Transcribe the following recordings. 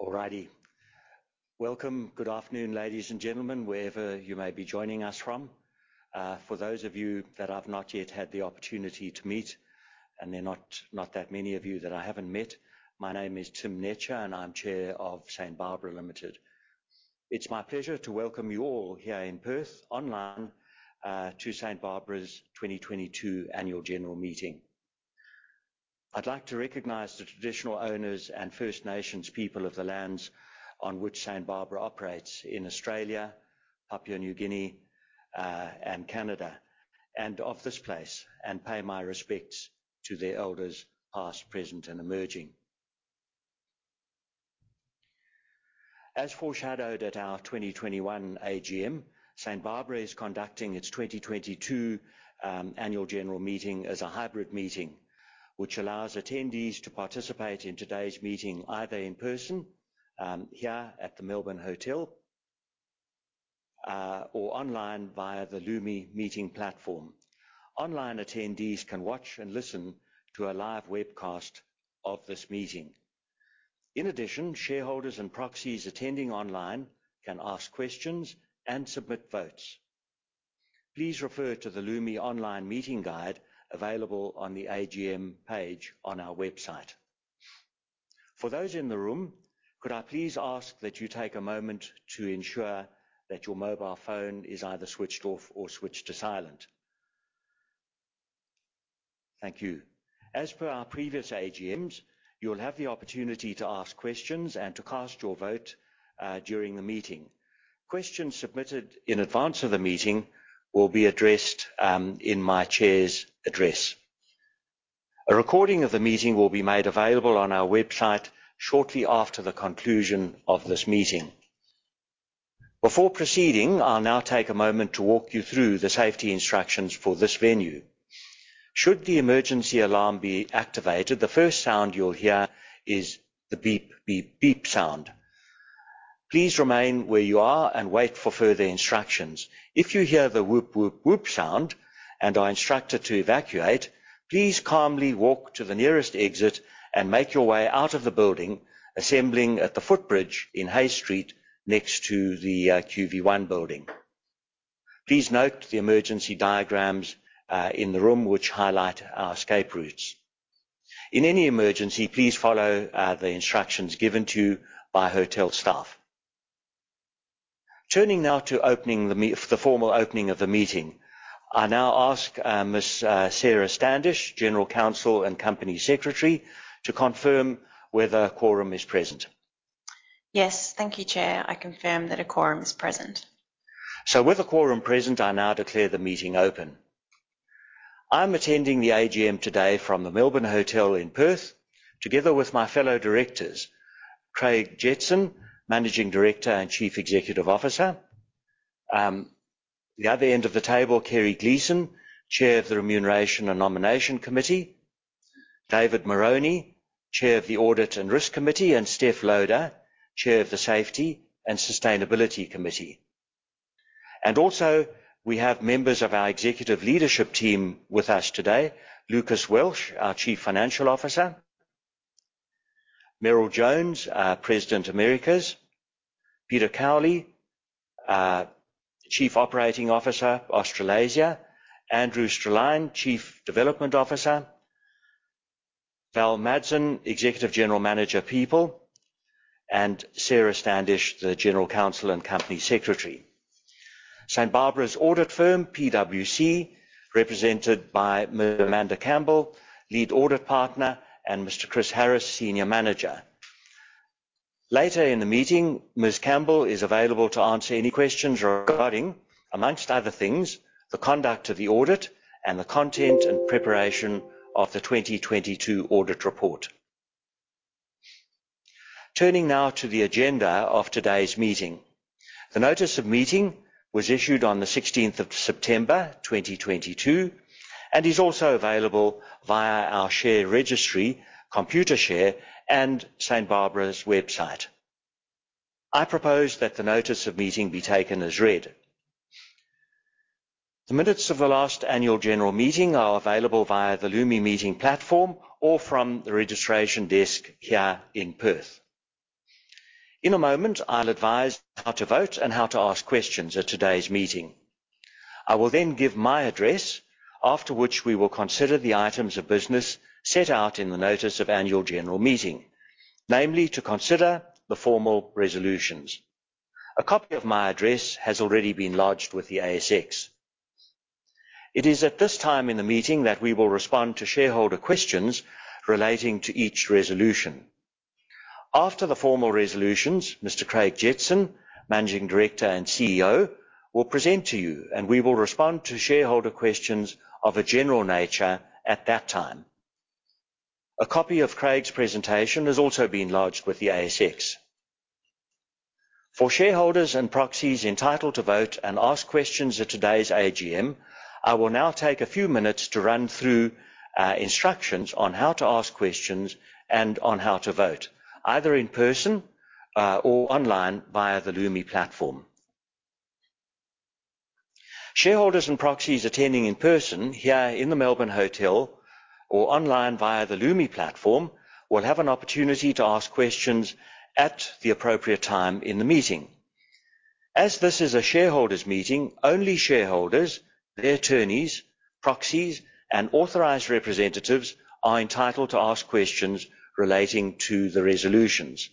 All righty. Welcome. Good afternoon, ladies and gentlemen, wherever you may be joining us from. For those of you that I've not yet had the opportunity to meet, and they're not that many of you that I haven't met, my name is Tim Netscher, and I'm Chair of St Barbara Limited. It's my pleasure to welcome you all here in Perth online to St Barbara's 2022 annual general meeting. I'd like to recognize the traditional owners and First Nations people of the lands on which St Barbara operates in Australia, Papua New Guinea, and Canada, and of this place, and pay my respects to their elders, past, present, and emerging. As foreshadowed at our 2021 AGM, St Barbara is conducting its 2022 annual general meeting as a hybrid meeting, which allows attendees to participate in today's meeting either in person here at the Melbourne Hotel or online via the Lumi Meeting Platform. Online attendees can watch and listen to a live webcast of this meeting. In addition, shareholders and proxies attending online can ask questions and submit votes. Please refer to the Lumi online meeting guide available on the AGM page on our website. For those in the room, could I please ask that you take a moment to ensure that your mobile phone is either switched off or switched to silent? Thank you. As per our previous AGMs, you'll have the opportunity to ask questions and to cast your vote during the meeting. Questions submitted in advance of the meeting will be addressed in my chair's address. A recording of the meeting will be made available on our website shortly after the conclusion of this meeting. Before proceeding, I'll now take a moment to walk you through the safety instructions for this venue. Should the emergency alarm be activated, the first sound you'll hear is the beep, beep sound. Please remain where you are and wait for further instructions. If you hear the whoop, whoop sound and are instructed to evacuate, please calmly walk to the nearest exit and make your way out of the building, assembling at the footbridge in Hay Street next to the QV1 building. Please note the emergency diagrams in the room which highlight our escape routes. In any emergency, please follow the instructions given to you by hotel staff. Turning now to the formal opening of the meeting. I now ask, Miss, Sarah Standish, General Counsel and Company Secretary, to confirm whether a quorum is present. Yes. Thank you, Chair. I confirm that a quorum is present. With a quorum present, I now declare the meeting open. I'm attending the AGM today from the Melbourne Hotel in Perth, together with my fellow directors, Craig Jetson, Managing Director and Chief Executive Officer. The other end of the table, Kerry Gleeson, Chair of the Remuneration and Nomination Committee, David Moroney, Chair of the Audit and Risk Committee, and Stef Loader, Chair of the Safety and Sustainability Committee. Also, we have members of our executive leadership team with us today, Lucas Welsh, our Chief Financial Officer, Meryl Jones, our President, Americas, Peter Cowley, Chief Operating Officer, Australasia, Andrew Strelein, Chief Development Officer, Val Madsen, Executive General Manager, People, and Sarah Standish, the General Counsel and Company Secretary. St Barbara's audit firm, PwC, represented by Amanda Campbell, Lead Audit Partner, and Mr. Chris Harris, Senior Manager. Later in the meeting, Ms. Campbell is available to answer any questions regarding, among other things, the conduct of the audit and the content and preparation of the 2022 audit report. Turning now to the agenda of today's meeting. The notice of meeting was issued on 16 September 2022, and is also available via our share registry, Computershare, and St Barbara's website. I propose that the notice of meeting be taken as read. The minutes of the last annual general meeting are available via the Lumi Meeting Platform or from the registration desk here in Perth. In a moment, I'll advise how to vote and how to ask questions at today's meeting. I will then give my address, after which we will consider the items of business set out in the notice of annual general meeting, namely to consider the formal resolutions. A copy of my address has already been lodged with the ASX. It is at this time in the meeting that we will respond to shareholder questions relating to each resolution. After the formal resolutions, Mr. Craig Jetson, Managing Director and CEO, will present to you, and we will respond to shareholder questions of a general nature at that time. A copy of Craig's presentation has also been lodged with the ASX. For shareholders and proxies entitled to vote and ask questions at today's AGM, I will now take a few minutes to run through, instructions on how to ask questions and on how to vote, either in person, or online via the Lumi platform. Shareholders and proxies attending in person here in the Melbourne Hotel or online via the Lumi platform will have an opportunity to ask questions at the appropriate time in the meeting. As this is a shareholders' meeting, only shareholders, their attorneys, proxies, and authorized representatives are entitled to ask questions relating to the resolutions.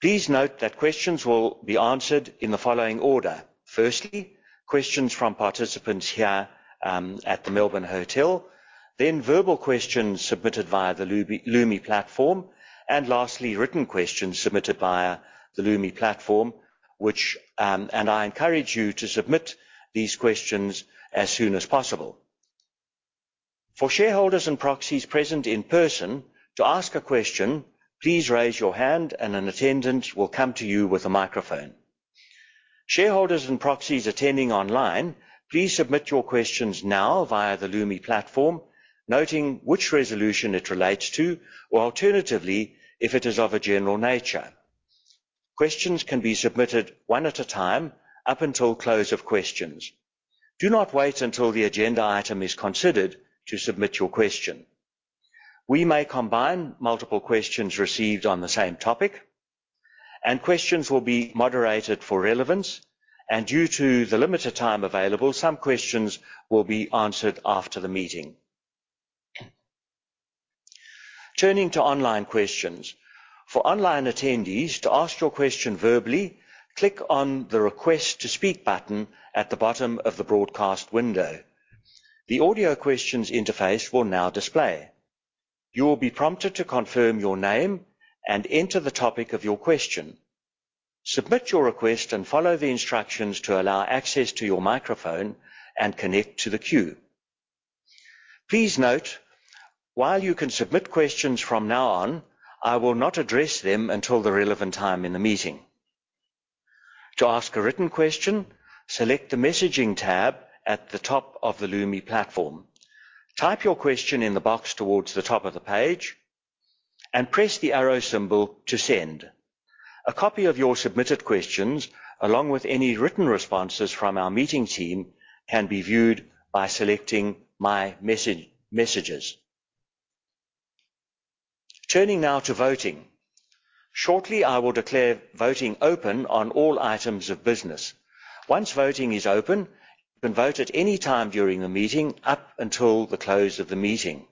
Please note that questions will be answered in the following order, firstly, questions from participants here at the Melbourne Hotel, then verbal questions submitted via the Lumi platform, and lastly, written questions submitted via the Lumi platform, and I encourage you to submit these questions as soon as possible. For shareholders and proxies present in person, to ask a question, please raise your hand, and an attendant will come to you with a microphone. Shareholders and proxies attending online, please submit your questions now via the Lumi platform, noting which resolution it relates to or alternatively, if it is of a general nature. Questions can be submitted one at a time up until close of questions. Do not wait until the agenda item is considered to submit your question. We may combine multiple questions received on the same topic, and questions will be moderated for relevance. Due to the limited time available, some questions will be answered after the meeting. Turning to online questions. For online attendees, to ask your question verbally, click on the Request to speak button at the bottom of the broadcast window. The audio questions interface will now display. You will be prompted to confirm your name and enter the topic of your question. Submit your request and follow the instructions to allow access to your microphone and connect to the queue. Please note, while you can submit questions from now on, I will not address them until the relevant time in the meeting. To ask a written question, select the Messaging tab at the top of the Lumi platform. Type your question in the box towards the top of the page and press the arrow symbol to send. A copy of your submitted questions, along with any written responses from our meeting team, can be viewed by selecting My Messages. Turning now to voting. Shortly, I will declare voting open on all items of business. Once voting is open, you can vote at any time during the meeting up until the close of the meeting.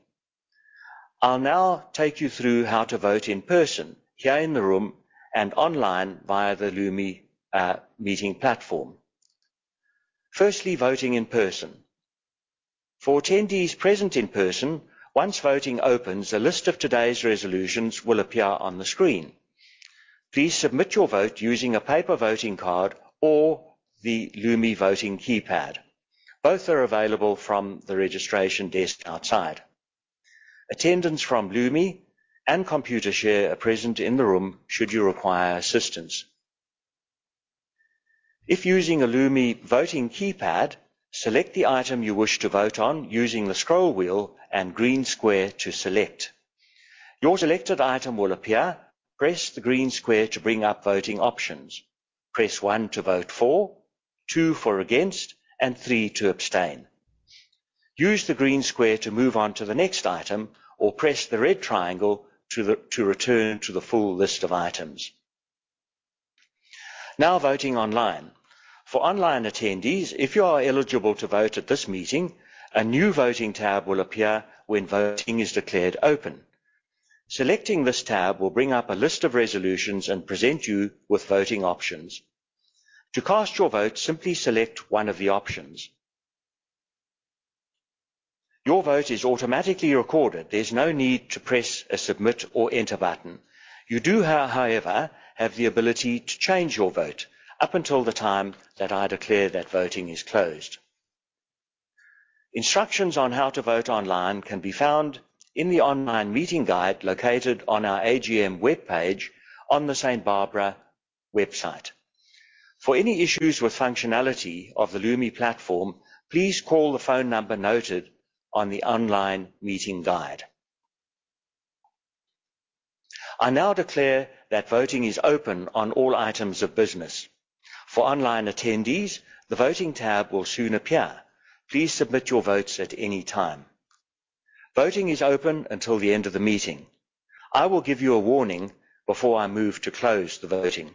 I'll now take you through how to vote in person here in the room and online via the Lumi Meeting Platform. Firstly, voting in person. For attendees present in person, once voting opens, a list of today's resolutions will appear on the screen. Please submit your vote using a paper voting card or the Lumi voting keypad. Both are available from the registration desk outside. Attendants from Lumi and Computershare are present in the room, should you require assistance. If using a Lumi voting keypad, select the item you wish to vote on using the scroll wheel and green square to select. Your selected item will appear. Press the green square to bring up voting options. Press one to vote for, two for against, and three to abstain. Use the green square to move on to the next item, or press the red triangle to return to the full list of items. Now, voting online. For online attendees, if you are eligible to vote at this meeting, a new Voting tab will appear when voting is declared open. Selecting this tab will bring up a list of resolutions and present you with voting options. To cast your vote, simply select one of the options. Your vote is automatically recorded. There's no need to press a Submit or Enter button. You do, however, have the ability to change your vote up until the time that I declare that voting is closed. Instructions on how to vote online can be found in the online meeting guide located on our AGM webpage on the St Barbara website. For any issues with functionality of the Lumi platform, please call the phone number noted on the online meeting guide. I now declare that voting is open on all items of business. For online attendees, the Voting tab will soon appear. Please submit your votes at any time. Voting is open until the end of the meeting. I will give you a warning before I move to close the voting.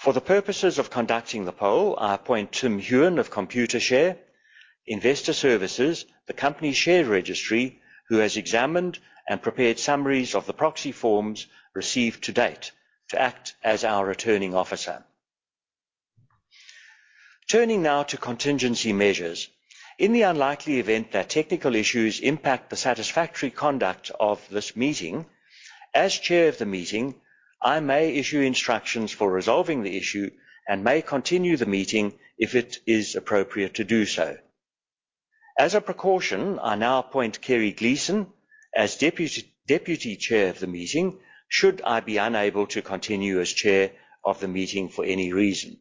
For the purposes of conducting the poll, I appoint Tim Huon of Computershare Investor Services, the company share registry, who has examined and prepared summaries of the proxy forms received to date to act as our Returning Officer. Turning now to contingency measures. In the unlikely event that technical issues impact the satisfactory conduct of this meeting, as Chair of the meeting, I may issue instructions for resolving the issue and may continue the meeting if it is appropriate to do so. As a precaution, I now appoint Kerry Gleeson as Deputy Chair of the meeting, should I be unable to continue as Chair of the meeting for any reason.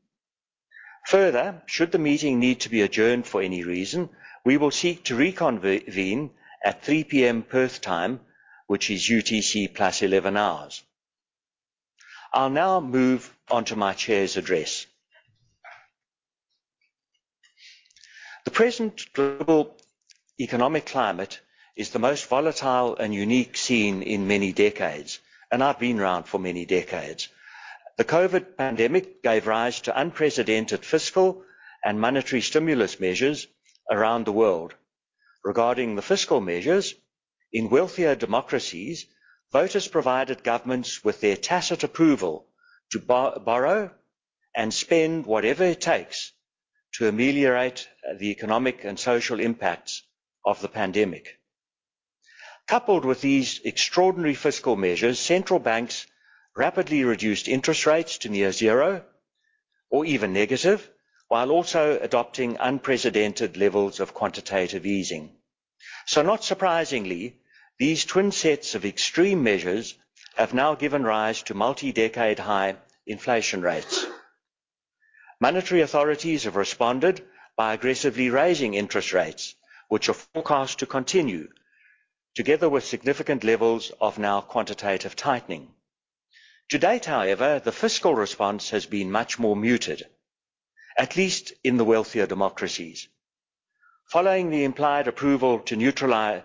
Further, should the meeting need to be adjourned for any reason, we will seek to reconvene at 3:00 P.M. Perth time, which is UTC +11 hours. I'll now move on to my chair's address. The present global economic climate is the most volatile and unique seen in many decades, and I've been around for many decades. The COVID pandemic gave rise to unprecedented fiscal and monetary stimulus measures around the world. Regarding the fiscal measures, in wealthier democracies, voters provided governments with their tacit approval to borrow and spend whatever it takes to ameliorate the economic and social impacts of the pandemic. Coupled with these extraordinary fiscal measures, central banks rapidly reduced interest rates to near zero or even negative, while also adopting unprecedented levels of quantitative easing. Not surprisingly, these twin sets of extreme measures have now given rise to multi-decade high inflation rates. Monetary authorities have responded by aggressively raising interest rates, which are forecast to continue, together with significant levels of quantitative tightening. To date, however, the fiscal response has been much more muted, at least in the wealthier democracies. Following the implied approval to neutralize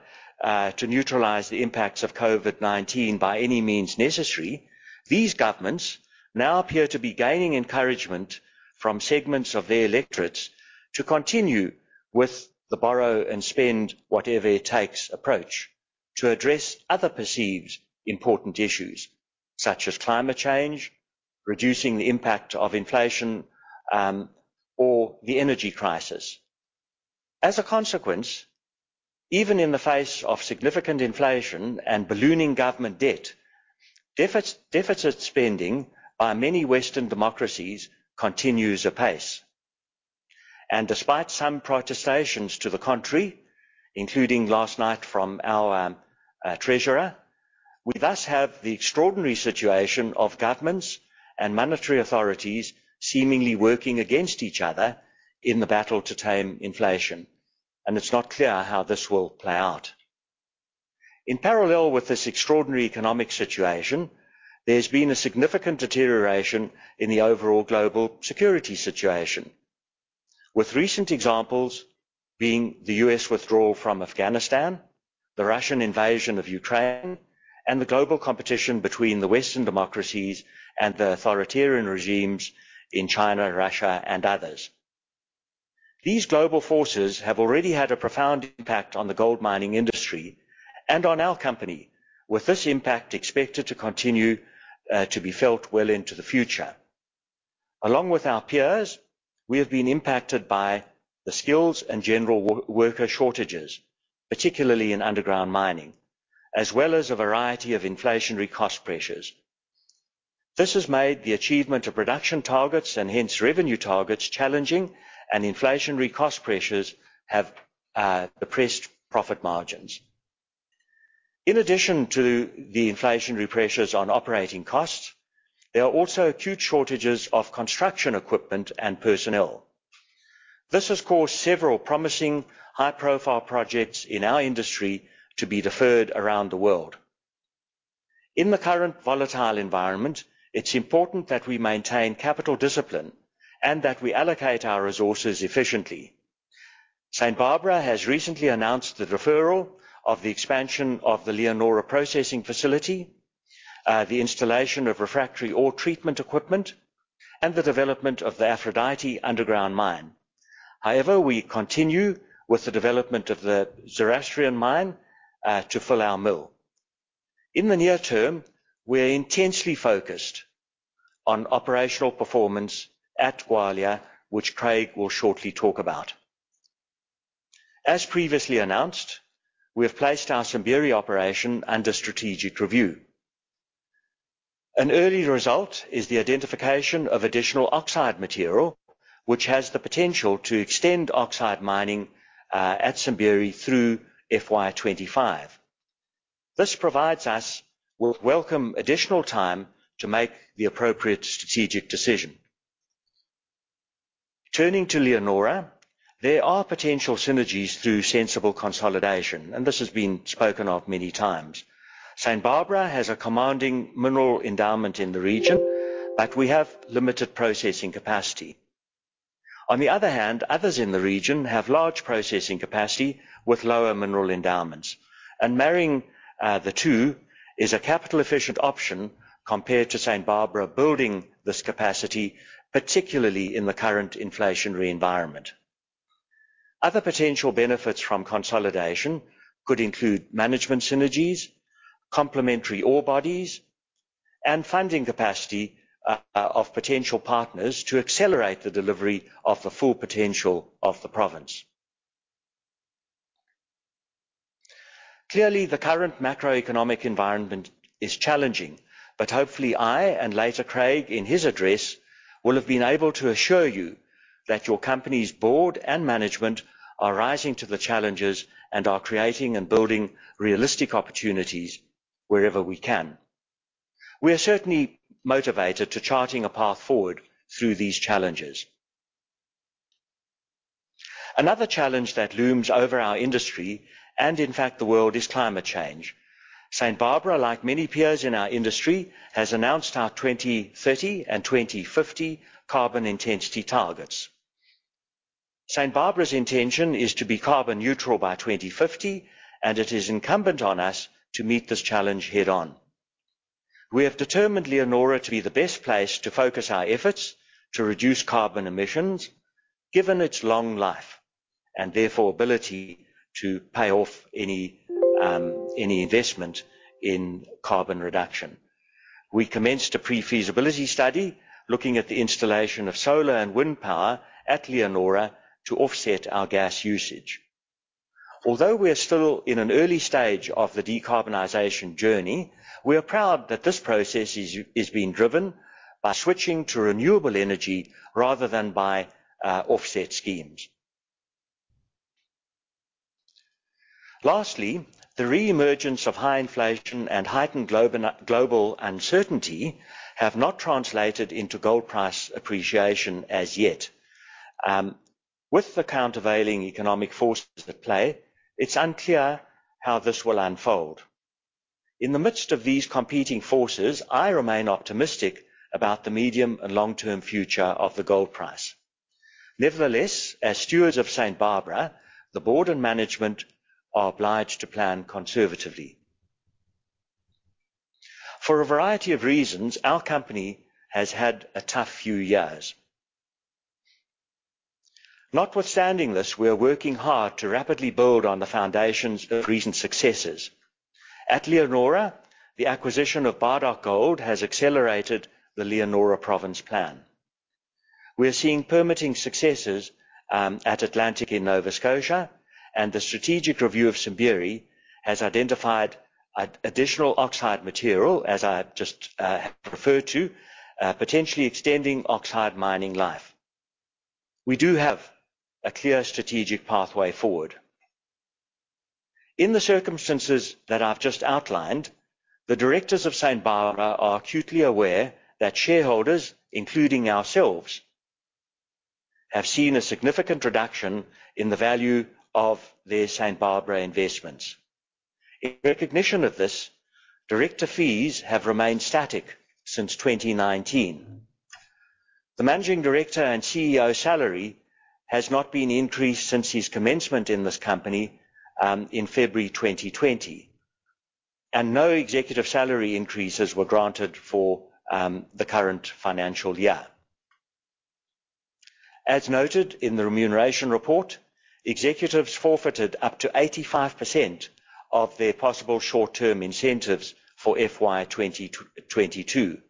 the impacts of COVID-19 by any means necessary, these governments now appear to be gaining encouragement from segments of their electorates to continue with the borrow and spend whatever it takes approach to address other perceived important issues such as climate change, reducing the impact of inflation, or the energy crisis. As a consequence, even in the face of significant inflation and ballooning government debt, deficit spending by many Western democracies continues apace. Despite some protestations to the contrary, including last night from our treasurer, we thus have the extraordinary situation of governments and monetary authorities seemingly working against each other in the battle to tame inflation, and it's not clear how this will play out. In parallel with this extraordinary economic situation, there's been a significant deterioration in the overall global security situation, with recent examples being the U.S. withdrawal from Afghanistan, the Russian invasion of Ukraine, and the global competition between the Western democracies and the authoritarian regimes in China, Russia, and others. These global forces have already had a profound impact on the gold mining industry and on our company, with this impact expected to continue to be felt well into the future. Along with our peers, we have been impacted by the skills and general worker shortages, particularly in underground mining, as well as a variety of inflationary cost pressures. This has made the achievement of production targets and hence revenue targets challenging, and inflationary cost pressures have oppressed profit margins. In addition to the inflationary pressures on operating costs, there are also acute shortages of construction equipment and personnel. This has caused several promising high-profile projects in our industry to be deferred around the world. In the current volatile environment, it's important that we maintain capital discipline and that we allocate our resources efficiently. St Barbara has recently announced the deferral of the expansion of the Leonora processing facility, the installation of refractory ore treatment equipment, and the development of the Aphrodite underground mine. However, we continue with the development of the Zoroastrian mine to fill our mill. In the near term, we're intensely focused on operational performance at Gwalia, which Craig will shortly talk about. As previously announced, we have placed our Simberi operation under strategic review. An early result is the identification of additional oxide material, which has the potential to extend oxide mining at Simberi through FY25. This provides us with welcome additional time to make the appropriate strategic decision. Turning to Leonora, there are potential synergies through sensible consolidation, and this has been spoken of many times. St Barbara has a commanding mineral endowment in the region, but we have limited processing capacity. On the other hand, others in the region have large processing capacity with lower mineral endowments, and marrying the two is a capital-efficient option compared to St Barbara building this capacity, particularly in the current inflationary environment. Other potential benefits from consolidation could include management synergies, complementary ore bodies, and funding capacity of potential partners to accelerate the delivery of the full potential of the province. Clearly, the current macroeconomic environment is challenging, but hopefully, I and later Craig, in his address, will have been able to assure you that your company's board and management are rising to the challenges and are creating and building realistic opportunities wherever we can. We are certainly motivated to charting a path forward through these challenges. Another challenge that looms over our industry, and in fact, the world, is climate change. St Barbara, like many peers in our industry, has announced our 2030 and 2050 carbon intensity targets. St Barbara's intention is to be carbon neutral by 2050, and it is incumbent on us to meet this challenge head-on. We have determined Leonora to be the best place to focus our efforts to reduce carbon emissions, given its long life and therefore ability to pay off any investment in carbon reduction. We commenced a pre-feasibility study looking at the installation of solar and wind power at Leonora to offset our gas usage. Although we are still in an early stage of the decarbonization journey, we are proud that this process is being driven by switching to renewable energy rather than by offset schemes. Lastly, the re-emergence of high inflation and heightened global uncertainty have not translated into gold price appreciation as yet. With the countervailing economic forces at play, it's unclear how this will unfold. In the midst of these competing forces, I remain optimistic about the medium and long-term future of the gold price. Nevertheless, as stewards of St Barbara, the board and management are obliged to plan conservatively. For a variety of reasons, our company has had a tough few years. Notwithstanding this, we are working hard to rapidly build on the foundations of recent successes. At Leonora, the acquisition of Bardoc Gold has accelerated the Leonora Province plan. We are seeing permitting successes at Atlantic in Nova Scotia, and the strategic review of Simberi has identified additional oxide material, as I just referred to, potentially extending oxide mining life. We do have a clear strategic pathway forward. In the circumstances that I've just outlined, the directors of St Barbara are acutely aware that shareholders, including ourselves, have seen a significant reduction in the value of their St Barbara investments. In recognition of this, director fees have remained static since 2019. The managing director and CEO salary has not been increased since his commencement in this company in February 2020, and no executive salary increases were granted for the current financial year. As noted in the remuneration report, executives forfeited up to 85% of their possible short-term incentives for FY22,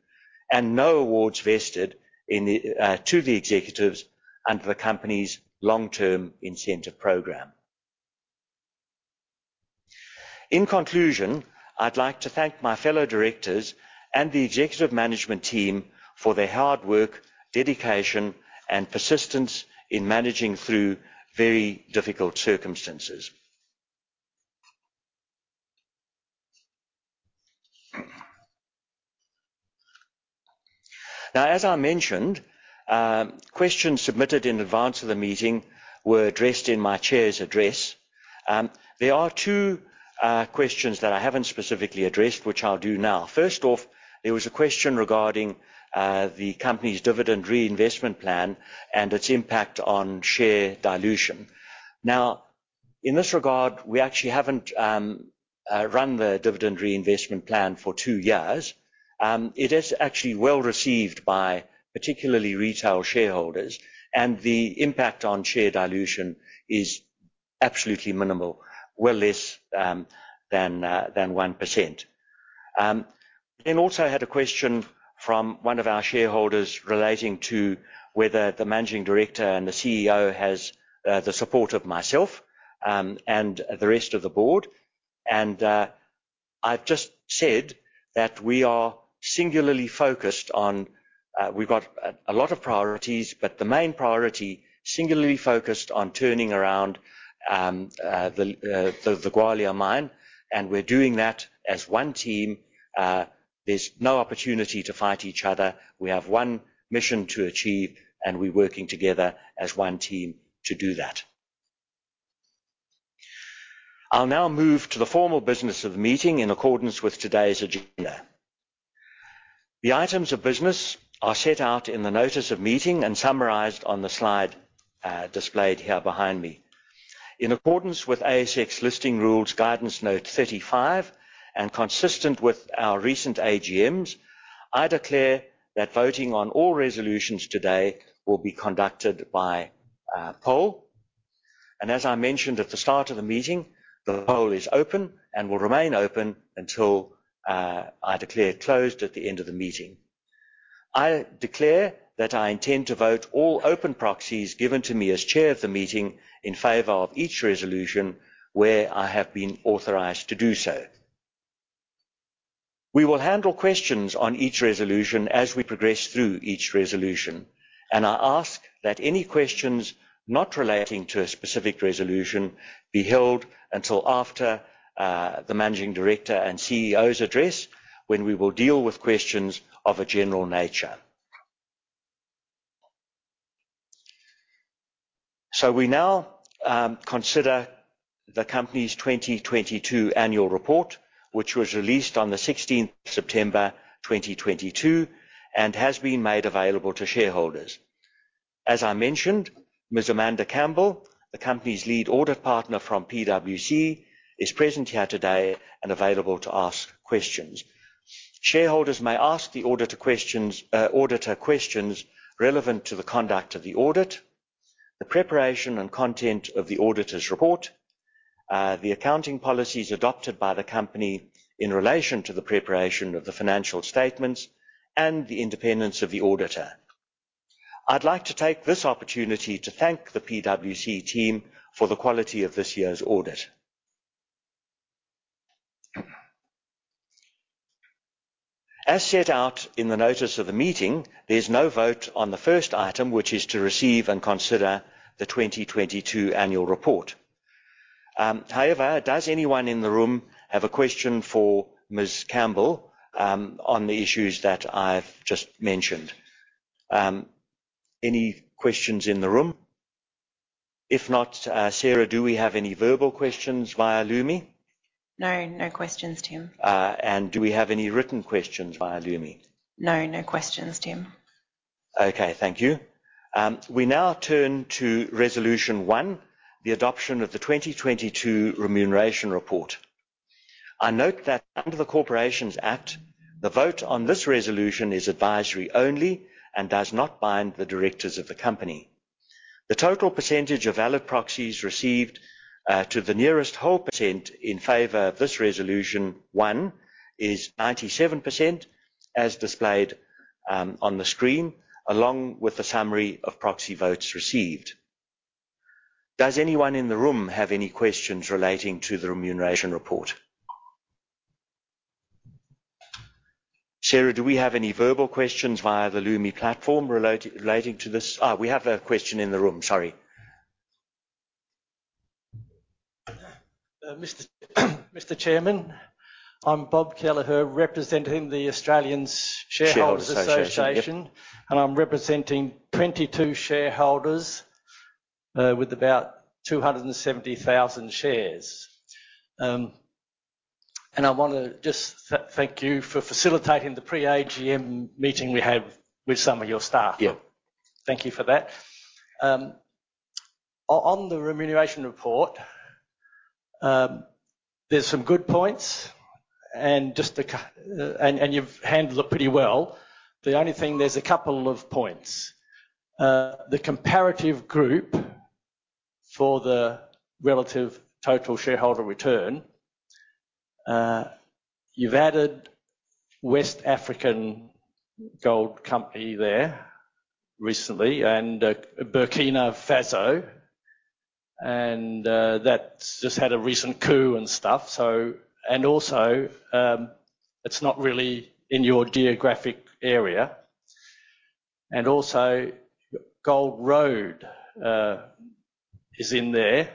and no awards vested to the executives under the company's long-term incentive program. In conclusion, I'd like to thank my fellow directors and the executive management team for their hard work, dedication, and persistence in managing through very difficult circumstances. Now, as I mentioned, questions submitted in advance of the meeting were addressed in my Chair's address. There are two questions that I haven't specifically addressed, which I'll do now. First off, there was a question regarding the company's dividend reinvestment plan and its impact on share dilution. Now, in this regard, we actually haven't run the dividend reinvestment plan for two years. It is actually well-received by particularly retail shareholders, and the impact on share dilution is absolutely minimal, well less than 1%. Also had a question from one of our shareholders relating to whether the managing director and the CEO has the support of myself and the rest of the board. I've just said that we are singularly focused on, we've got a lot of priorities, but the main priority, singularly focused on turning around the Gwalia mine, and we're doing that as one team. There's no opportunity to fight each other. We have one mission to achieve, and we're working together as one team to do that. I'll now move to the formal business of the meeting in accordance with today's agenda. The items of business are set out in the notice of meeting and summarized on the slide, displayed here behind me. In accordance with ASX Listing Rules, Guidance Note 35, and consistent with our recent AGMs, I declare that voting on all resolutions today will be conducted by a poll. As I mentioned at the start of the meeting, the poll is open and will remain open until I declare it closed at the end of the meeting. I declare that I intend to vote all open proxies given to me as chair of the meeting in favor of each resolution where I have been authorized to do so. We will handle questions on each resolution as we progress through each resolution, and I ask that any questions not relating to a specific resolution be held until after the Managing Director and CEO's address when we will deal with questions of a general nature. We now consider the company's 2022 annual report, which was released on the 16th September 2022, and has been made available to shareholders. As I mentioned, Ms. Amanda Campbell, the company's lead audit partner from PwC, is present here today and available to answer questions. Shareholders may ask the auditor questions relevant to the conduct of the audit, the preparation and content of the auditor's report, the accounting policies adopted by the company in relation to the preparation of the financial statements, and the independence of the auditor. I'd like to take this opportunity to thank the PwC team for the quality of this year's audit. As set out in the notice of the meeting, there's no vote on the first item, which is to receive and consider the 2022 annual report. However, does anyone in the room have a question for Ms. Campbell, on the issues that I've just mentioned? Any questions in the room? If not, Sarah, do we have any verbal questions via Lumi? No. No questions, Tim. Do we have any written questions via Lumi? No. No questions, Tim. Okay. Thank you. We now turn to Resolution 1, the adoption of the 2022 remuneration report. I note that under the Corporations Act, the vote on this resolution is advisory only and does not bind the directors of the company. The total percentage of valid proxies received to the nearest whole percent in favor of this Resolution 1 is 97% as displayed on the screen, along with the summary of proxy votes received. Does anyone in the room have any questions relating to the remuneration report? Sarah, do we have any verbal questions via the Lumi platform relating to this? We have a question in the room. Sorry. Mr. Chairman, I'm Bob Kelleher, representing the Australian Shareholders' Association. Shareholders' Association. Yep. I'm representing 22 shareholders with about 270,000 shares. I wanna just thank you for facilitating the pre-AGM meeting we had with some of your staff. Yeah. Thank you for that. On the remuneration report, there's some good points and you've handled it pretty well. The only thing, there's a couple of points. The comparative group for the relative total shareholder return, you've added West African gold company there recently and Burkina Faso and that's just had a recent coup and stuff, so it's not really in your geographic area. Gold Road Resources is in there.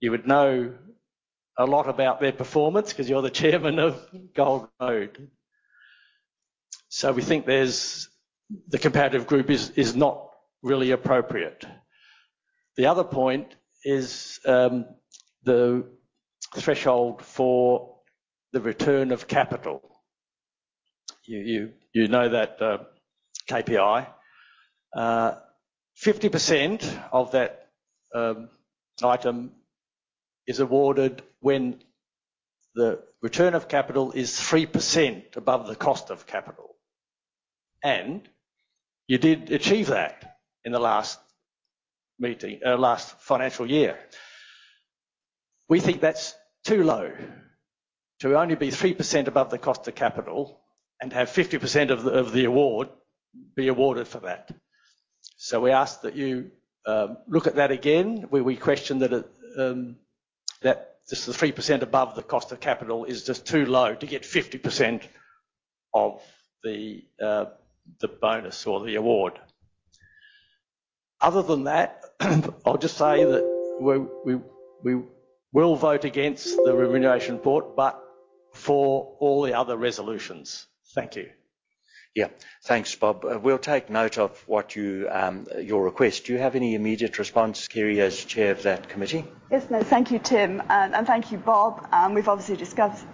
You would know a lot about their performance 'cause you're the chairman of Gold Road Resources. We think the comparative group is not really appropriate. The other point is the threshold for the return of capital. You know that KPI. 50% of that item is awarded when the return of capital is 3% above the cost of capital. You did achieve that in the last financial year. We think that's too low to only be 3% above the cost of capital and have 50% of the award be awarded for that. We ask that you look at that again, where we question that that just the 3% above the cost of capital is just too low to get 50% of the bonus or the award. Other than that, I'll just say that we will vote against the remuneration report, but for all the other resolutions. Thank you. Yeah. Thanks, Bob. We'll take note of what you, your request. Do you have any immediate response, Kerry, as Chair of that committee? Yes. No. Thank you, Tim, and thank you, Bob. We've obviously discussed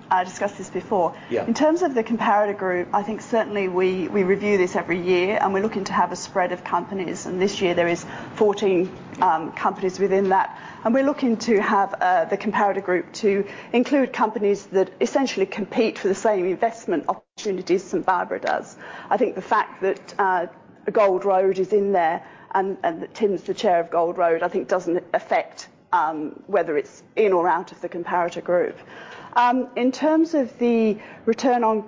this before. Yeah. In terms of the comparator group, I think certainly we review this every year, and we're looking to have a spread of companies, and this year there is 40 companies within that. We're looking to have the comparator group to include companies that essentially compete for the same investment opportunities St Barbara does. I think the fact that Gold Road is in there and that Tim's the chair of Gold Road, I think doesn't affect whether it's in or out of the comparator group. In terms of the return on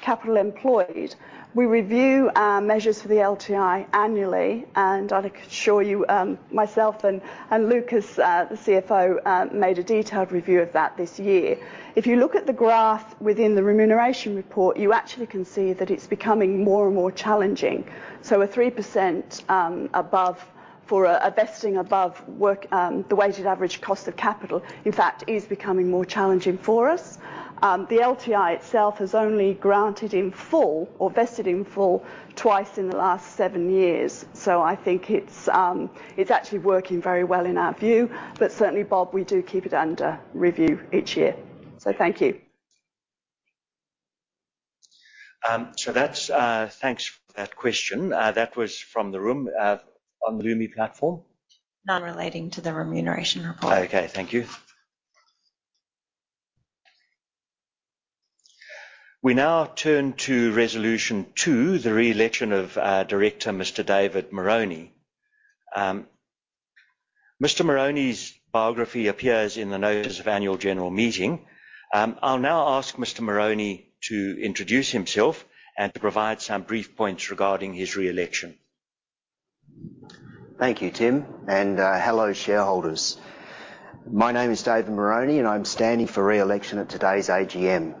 capital employed, we review our measures for the LTI annually, and I can assure you myself and Lucas, the CFO, made a detailed review of that this year. If you look at the graph within the remuneration report, you actually can see that it's becoming more and more challenging. A 3% above, for a vesting above WACC, the weighted average cost of capital, in fact, is becoming more challenging for us. The LTI itself is only granted in full or vested in full twice in the last seven years. I think it's actually working very well in our view. Certainly, Bob, we do keep it under review each year. Thank you. That's thanks for that question. That was from the room on the Lumi platform. Nothing relating to the Remuneration Report. Okay. Thank you. We now turn to Resolution 2, the reelection of our director, Mr. David Moroney. Mr. Moroney's biography appears in the notice of annual general meeting. I'll now ask Mr. Moroney to introduce himself and to provide some brief points regarding his reelection. Thank you, Tim, and hello, shareholders. My name is David Moroney, and I'm standing for reelection at today's AGM.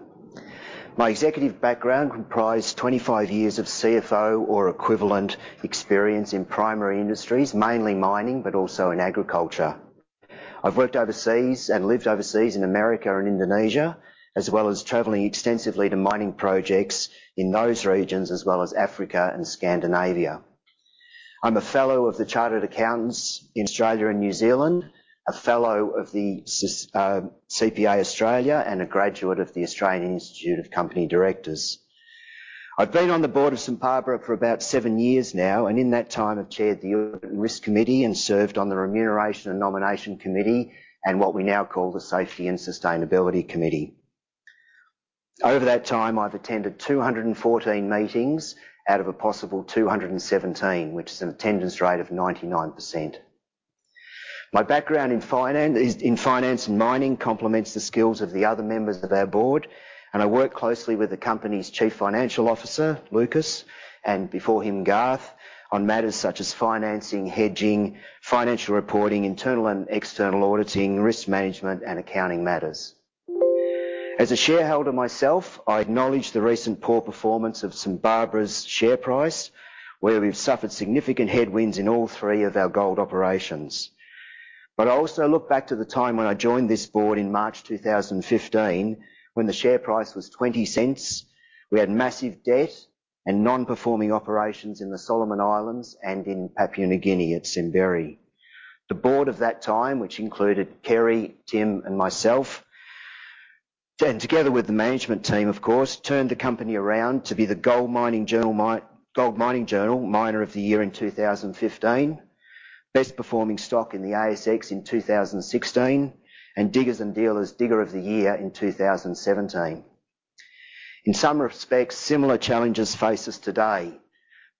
My executive background comprise 25 years of CFO or equivalent experience in primary industries, mainly mining, but also in agriculture. I've worked overseas and lived overseas in America and Indonesia, as well as traveling extensively to mining projects in those regions, as well as Africa and Scandinavia. I'm a fellow of the Chartered Accountants Australia and New Zealand, a fellow of the CPA Australia, and a graduate of the Australian Institute of Company Directors. I've been on the board of St Barbara for about seven years now, and in that time, I've chaired the Audit and Risk Committee and served on the Remuneration and Nomination Committee, and what we now call the Safety and Sustainability Committee. Over that time, I've attended 214 meetings out of a possible 217, which is an attendance rate of 99%. My background in finance and mining complements the skills of the other members of our board, and I work closely with the company's chief financial officer, Lucas, and before him, Garth, on matters such as financing, hedging, financial reporting, internal and external auditing, risk management, and accounting matters. As a shareholder myself, I acknowledge the recent poor performance of St Barbara's share price, where we've suffered significant headwinds in all three of our gold operations. I also look back to the time when I joined this board in March 2015, when the share price was 0.20. We had massive debt and non-performing operations in the Solomon Islands and in Papua New Guinea at Simberi. The board of that time, which included Kerry, Tim, and myself, then together with the management team, of course, turned the company around to be the Mining Journal Miner of the Year in 2015, best-performing stock in the ASX in 2016, and Diggers & Dealers Digger of the Year in 2017. In some respects, similar challenges face us today,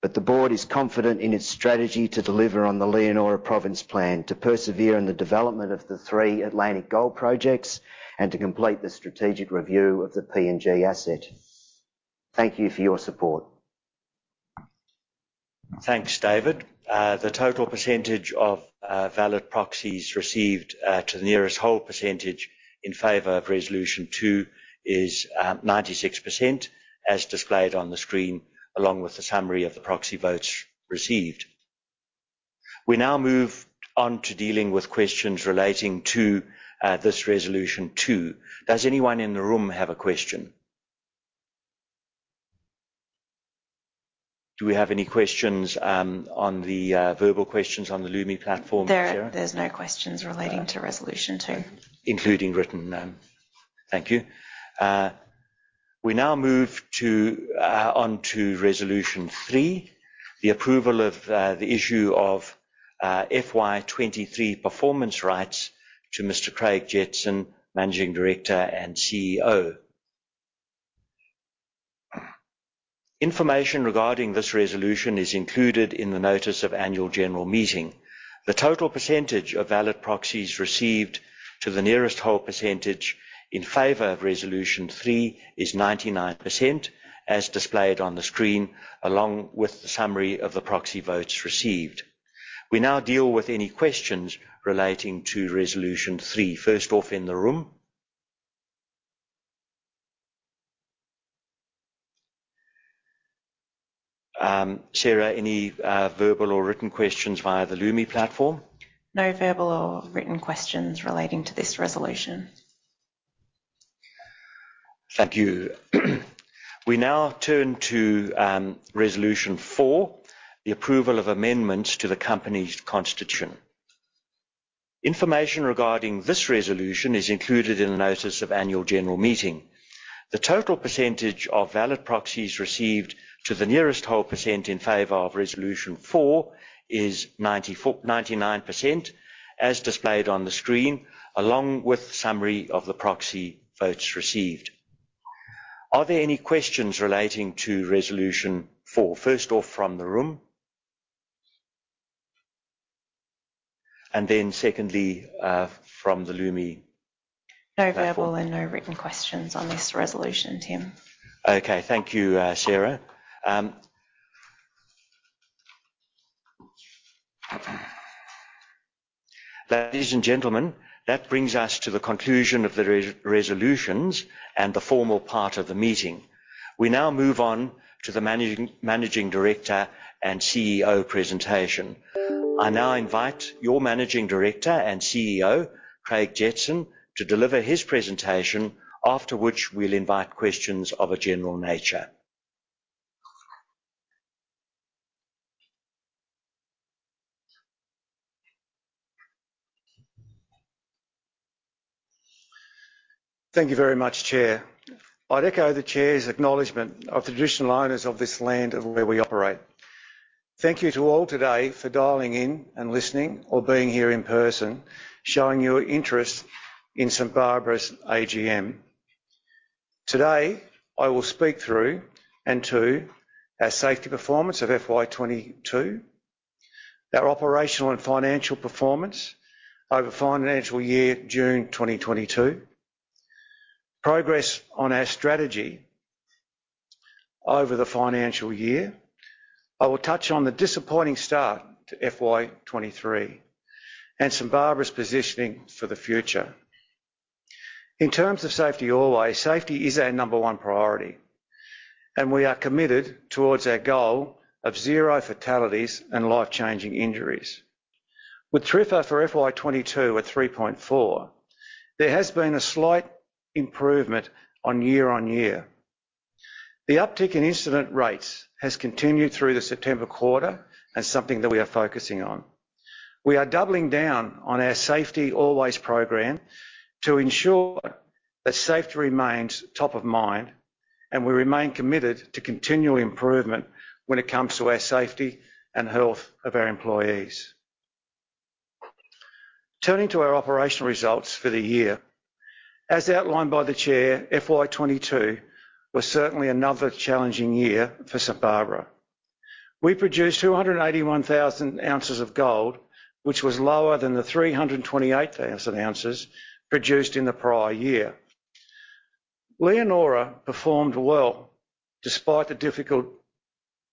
but the board is confident in its strategy to deliver on the Leonora Province plan, to persevere in the development of the three Atlantic Gold projects, and to complete the strategic review of the PNG asset. Thank you for your support. Thanks, David. The total percentage of valid proxies received to the nearest whole percentage in favor of Resolution 2 is 96% as displayed on the screen, along with a summary of the proxy votes received. We now move on to dealing with questions relating to this Resolution 2. Does anyone in the room have a question? Do we have any questions on the virtual questions on the Lumi platform? There's no questions relating to Resolution 2. Including written? Thank you. We now move on to Resolution 3, the approval of the issue of FY23 performance rights to Mr. Craig Jetson, Managing Director and CEO. Information regarding this resolution is included in the notice of annual general meeting. The total percentage of valid proxies received to the nearest whole percentage in favor of Resolution 3 is 99% as displayed on the screen, along with the summary of the proxy votes received. We now deal with any questions relating to Resolution 3. First off in the room. Sarah, any verbal or written questions via the Lumi platform? No verbal or written questions relating to this resolution. Thank you. We now turn to Resolution 4, the approval of amendments to the company's constitution. Information regarding this resolution is included in the notice of annual general meeting. The total percentage of valid proxies received to the nearest whole percent in favor of Resolution 4 is 99% as displayed on the screen, along with summary of the proxy votes received. Are there any questions relating to Resolution 4? First off from the room. Then secondly, from the Lumi. No verbal and no written questions on this resolution, Tim. Okay. Thank you, Sarah. Ladies and gentlemen, that brings us to the conclusion of the resolutions and the formal part of the meeting. We now move on to the Managing Director and CEO presentation. I now invite your Managing Director and CEO, Craig Jetson, to deliver his presentation, after which we'll invite questions of a general nature. Thank you very much, Chair. I'd echo the Chair's acknowledgement of the traditional owners of this land and where we operate. Thank you to all today for dialing in and listening or being here in person, showing your interest in St Barbara's AGM. Today, I will speak through and to our safety performance of FY22, our operational and financial performance over financial year June 2022, progress on our strategy over the financial year. I will touch on the disappointing start to FY23 and St Barbara's positioning for the future. In terms of Safety Always, safety is our number one priority, and we are committed towards our goal of zero fatalities and life-changing injuries. With TRIFR for FY22 at 3.4, there has been a slight improvement on year-over-year. The uptick in incident rates has continued through the September quarter and something that we are focusing on. We are doubling down on our Safety Always program to ensure that safety remains top of mind, and we remain committed to continual improvement when it comes to our safety and health of our employees. Turning to our operational results for the year, as outlined by the Chair, FY22 was certainly another challenging year for St Barbara. We produced 281,000 oz of gold, which was lower than the 328,000 oz produced in the prior year. Leonora performed well despite the difficult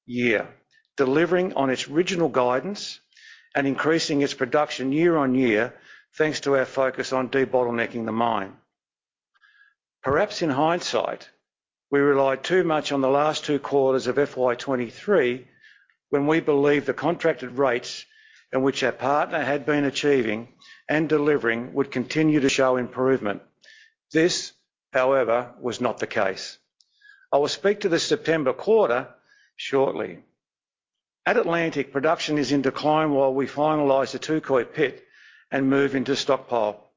year, delivering on its original guidance and increasing its production year-on-year, thanks to our focus on debottlenecking the mine. Perhaps in hindsight, we relied too much on the last two quarters of FY23, when we believe the contracted rates in which our partner had been achieving and delivering would continue to show improvement. This, however, was not the case. I will speak to the September quarter shortly. At Atlantic, production is in decline while we finalize the Touquoy pit and move into stockpile.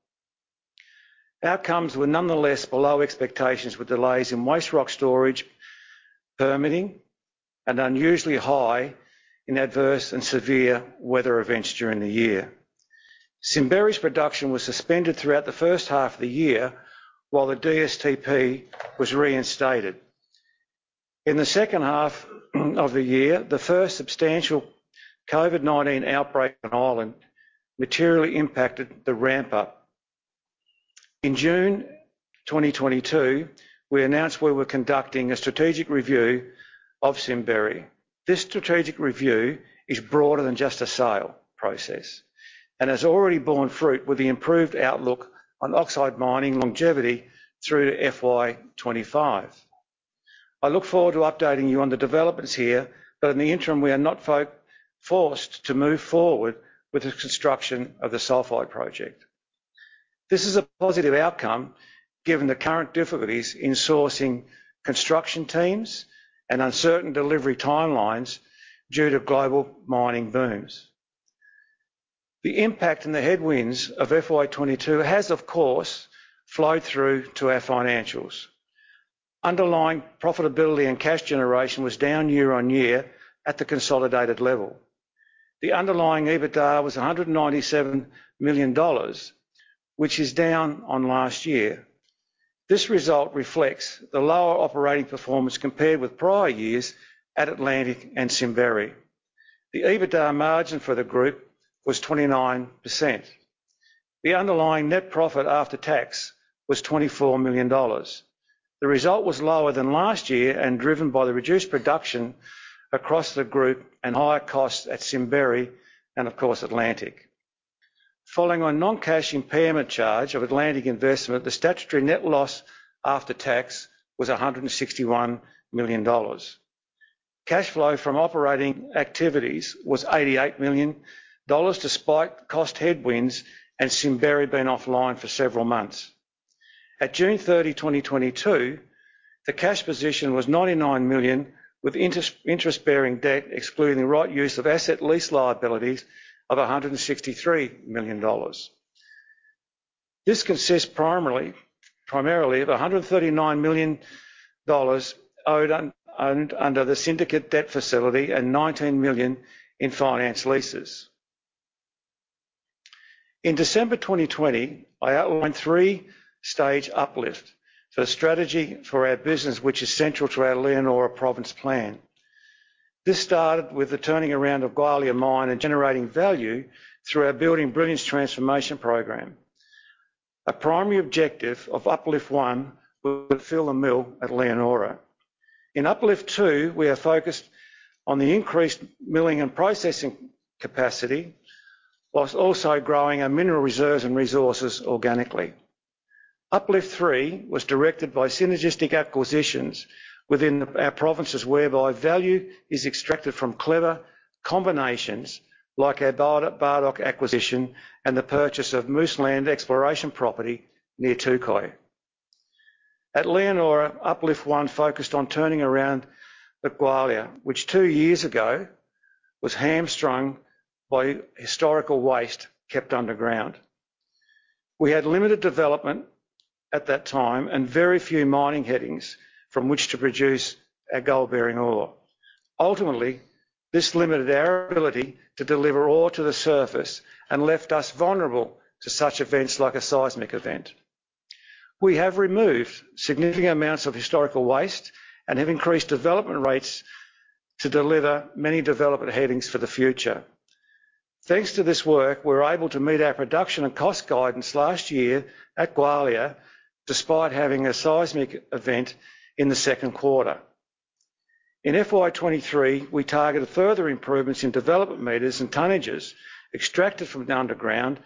Outcomes were nonetheless below expectations with delays in waste rock storage permitting and unusually high incidence of adverse and severe weather events during the year. Simberi's production was suspended throughout the first half of the year while the DSTP was reinstated. In the second half of the year, the first substantial COVID-19 outbreak on island materially impacted the ramp up. In June 2022, we announced we were conducting a strategic review of Simberi. This strategic review is broader than just a sale process and has already borne fruit with the improved outlook on oxide mining longevity through to FY25. I look forward to updating you on the developments here, but in the interim, we are not forced to move forward with the construction of the sulfide project. This is a positive outcome given the current difficulties in sourcing construction teams and uncertain delivery timelines due to global mining booms. The impact and the headwinds of FY22 has, of course, flowed through to our financials. Underlying profitability and cash generation was down year-on-year at the consolidated level. The underlying EBITDA was 197 million dollars, which is down on last year. This result reflects the lower operating performance compared with prior years at Atlantic and Simberi. The EBITDA margin for the group was 29%. The underlying net profit after tax was 24 million dollars. The result was lower than last year and driven by the reduced production across the group and higher costs at Simberi and of course, Atlantic. Following a non-cash impairment charge of Atlantic investment, the statutory net loss after tax was 161 million dollars. Cash flow from operating activities was 88 million dollars, despite cost headwinds and Simberi being offline for several months. At June 30, 2022, the cash position was 99 million, with interest-bearing debt, excluding right-of-use asset lease liabilities of 163 million dollars. This consists primarily of 139 million dollars owed under the syndicate debt facility and 19 million in finance leases. In December 2020, I outlined three-stage uplift for the strategy for our business, which is central to our Leonora Province plan. This started with the turning around of Gwalia mine and generating value through our Building Brilliance transformation program. A primary objective of Uplift One will fill the mill at Leonora. In Uplift Two, we are focused on the increased milling and processing capacity while also growing our mineral reserves and resources organically. Uplift Three was directed by synergistic acquisitions within our provinces whereby value is extracted from clever combinations like our Bardoc acquisition and the purchase of Moose River exploration property near Touquoy. At Leonora, Uplift One focused on turning around the Gwalia, which two years ago was hamstrung by historical waste kept underground. We had limited development at that time and very few mining headings from which to produce our gold-bearing ore. Ultimately, this limited our ability to deliver ore to the surface and left us vulnerable to such events like a seismic event. We have removed significant amounts of historical waste and have increased development rates to deliver many development headings for the future. Thanks to this work, we were able to meet our production and cost guidance last year at Gwalia, despite having a seismic event in the second quarter. In FY23, we targeted further improvements in development meters and tonnages extracted from the underground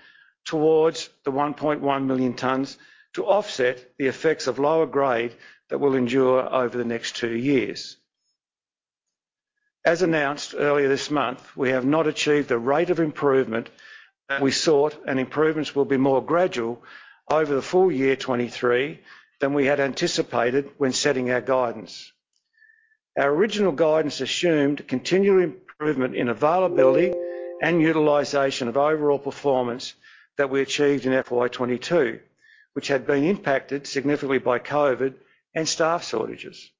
towards the 1.1 million tons to offset the effects of lower grade that we'll endure over the next two years. As announced earlier this month, we have not achieved the rate of improvement that we sought, and improvements will be more gradual over the full year 2023 than we had anticipated when setting our guidance. Our original guidance assumed continual improvement in availability and utilization of overall performance that we achieved in FY22, which had been impacted significantly by COVID and staff shortages.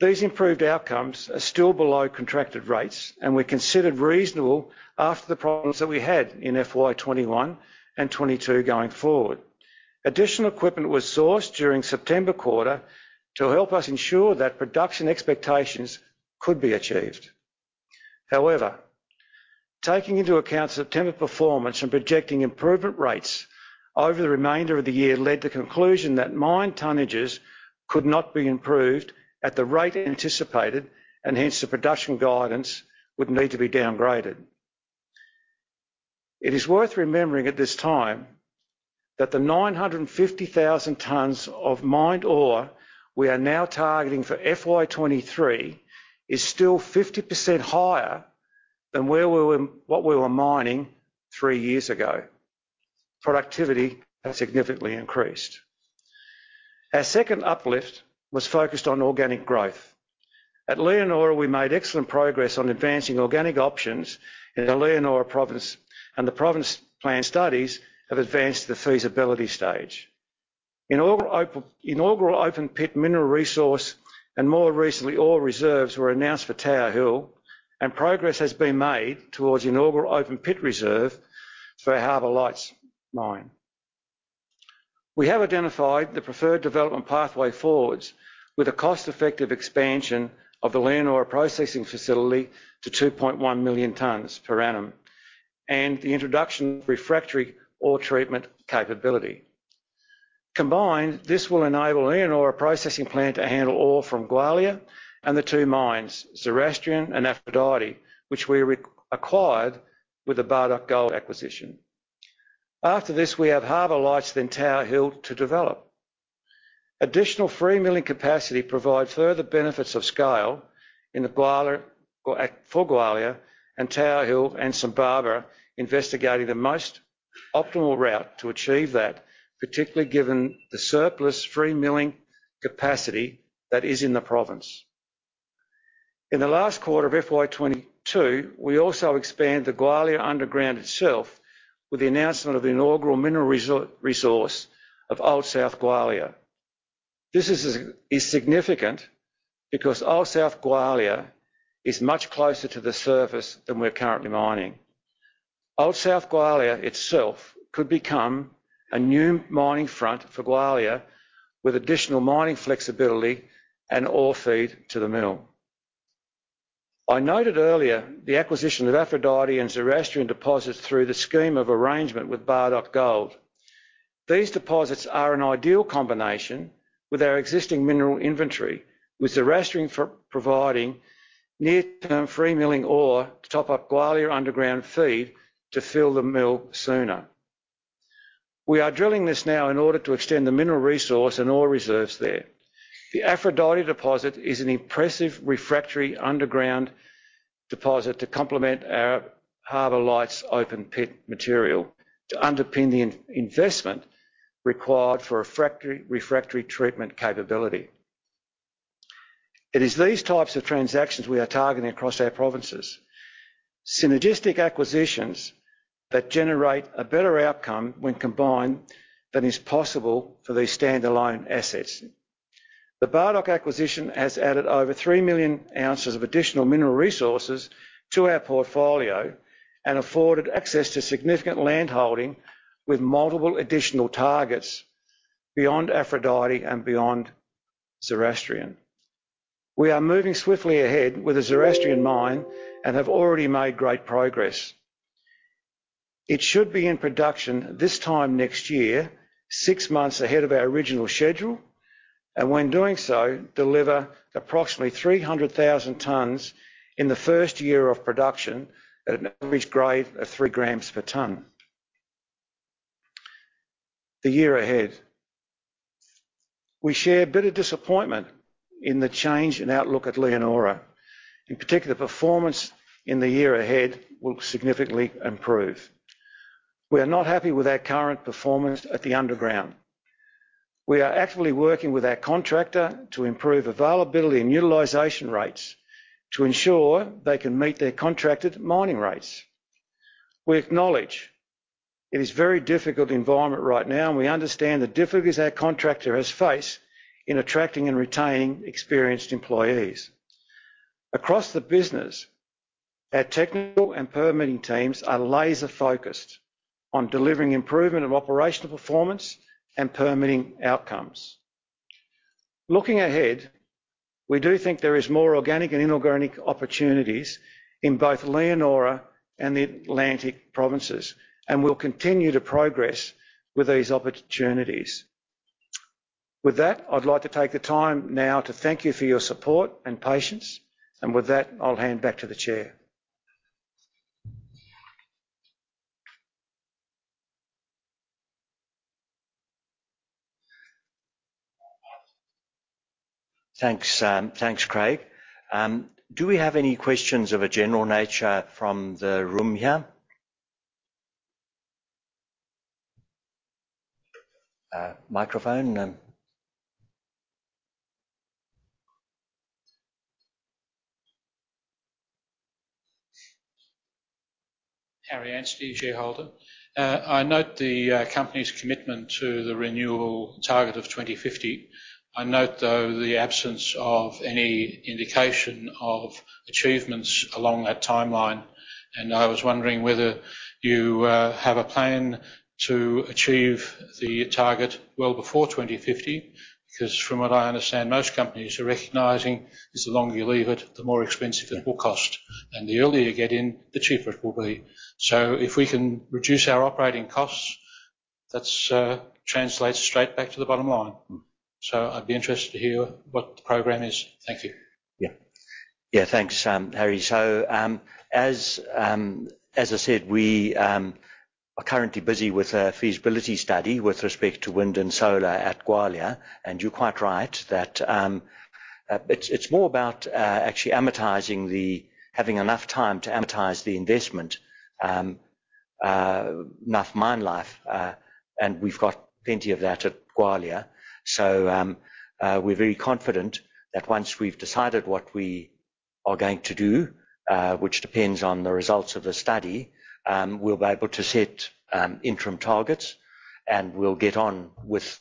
These improved outcomes are still below contracted rates and were considered reasonable after the problems that we had in FY21 and 2022 going forward. Additional equipment was sourced during September quarter to help us ensure that production expectations could be achieved. However, taking into account September performance and projecting improvement rates over the remainder of the year led to the conclusion that mine tonnages could not be improved at the rate anticipated, and hence, the production guidance would need to be downgraded. It is worth remembering at this time that the 950,000 tonnes of mined ore we are now targeting for FY23 is still 50% higher than what we were mining three years ago. Productivity has significantly increased. Our second uplift was focused on organic growth. At Leonora, we made excellent progress on advancing organic options in the Leonora province, and the province plan studies have advanced to the feasibility stage. Inaugural open pit mineral resource, and more recently, ore reserves were announced for Tower Hill, and progress has been made towards inaugural open pit reserve for our Harbour Lights mine. We have identified the preferred development pathway forwards with a cost-effective expansion of the Leonora processing facility to 2.1 million tpa and the introduction of refractory ore treatment capability. Combined, this will enable Leonora processing plant to handle ore from Gwalia and the two mines, Zoroastrian and Aphrodite, which we re-acquired with the Bardoc Gold acquisition. After this, we have Harbour Lights, then Tower Hill to develop. Additional free milling capacity provide further benefits of scale in the Gwalia for Gwalia and Tower Hill and St Barbara investigating the most optimal route to achieve that, particularly given the surplus free milling capacity that is in the province. In the last quarter of FY22, we also expand the Gwalia underground itself with the announcement of the inaugural mineral resource of Sons of Gwalia. This is significant because Sons of Gwalia is much closer to the surface than we're currently mining. Sons of Gwalia itself could become a new mining front for Gwalia with additional mining flexibility and ore feed to the mill. I noted earlier the acquisition of Aphrodite and Zoroastrian deposits through the scheme of arrangement with Bardoc Gold. These deposits are an ideal combination with our existing mineral inventory, with Zoroastrian providing near-term free milling ore to top up Gwalia underground feed to fill the mill sooner. We are drilling this now in order to extend the mineral resource and ore reserves there. The Aphrodite deposit is an impressive refractory underground deposit to complement our Harbour Lights open pit material to underpin the investment required for refractory treatment capability. It is these types of transactions we are targeting across our provinces. Synergistic acquisitions that generate a better outcome when combined than is possible for these standalone assets. The Bardoc acquisition has added over 3 million oz of additional mineral resources to our portfolio and afforded access to significant landholding with multiple additional targets beyond Aphrodite and beyond Zoroastrian. We are moving swiftly ahead with the Zoroastrian mine and have already made great progress. It should be in production this time next year, six months ahead of our original schedule, and when doing so, deliver approximately 300,000 tonnes in the first year of production at an average grade of 3 g/t. The year ahead. We share a bit of disappointment in the change in outlook at Leonora. In particular, performance in the year ahead will significantly improve. We are not happy with our current performance at the underground. We are actively working with our contractor to improve availability and utilization rates to ensure they can meet their contracted mining rates. We acknowledge it is very difficult environment right now, and we understand the difficulties our contractor has faced in attracting and retaining experienced employees. Across the business, our technical and permitting teams are laser-focused on delivering improvement of operational performance and permitting outcomes. Looking ahead, we do think there is more organic and inorganic opportunities in both Leonora and the Atlantic provinces, and we'll continue to progress with these opportunities. With that, I'd like to take the time now to thank you for your support and patience. With that, I'll hand back to the chair. Thanks, Craig. Do we have any questions of a general nature from the room here? Microphone. Harry Anstey, shareholder. I note the company's commitment to the net zero target of 2050. I note, though, the absence of any indication of achievements along that timeline, and I was wondering whether you have a plan to achieve the target well before 2050, because from what I understand, most companies are recognizing is the longer you leave it, the more expensive it will cost, and the earlier you get in, the cheaper it will be. If we can reduce our operating costs, that translates straight back to the bottom line. Mm-hmm. I'd be interested to hear what the program is. Thank you. Yeah. Yeah. Thanks, Harry. As I said, we are currently busy with a feasibility study with respect to wind and solar at Gwalia, and you're quite right that it's more about actually amortizing the investment, having enough time to amortize the investment, enough mine life, and we've got plenty of that at Gwalia. We're very confident that once we've decided what we are going to do, which depends on the results of the study, we'll be able to set interim targets, and we'll get on with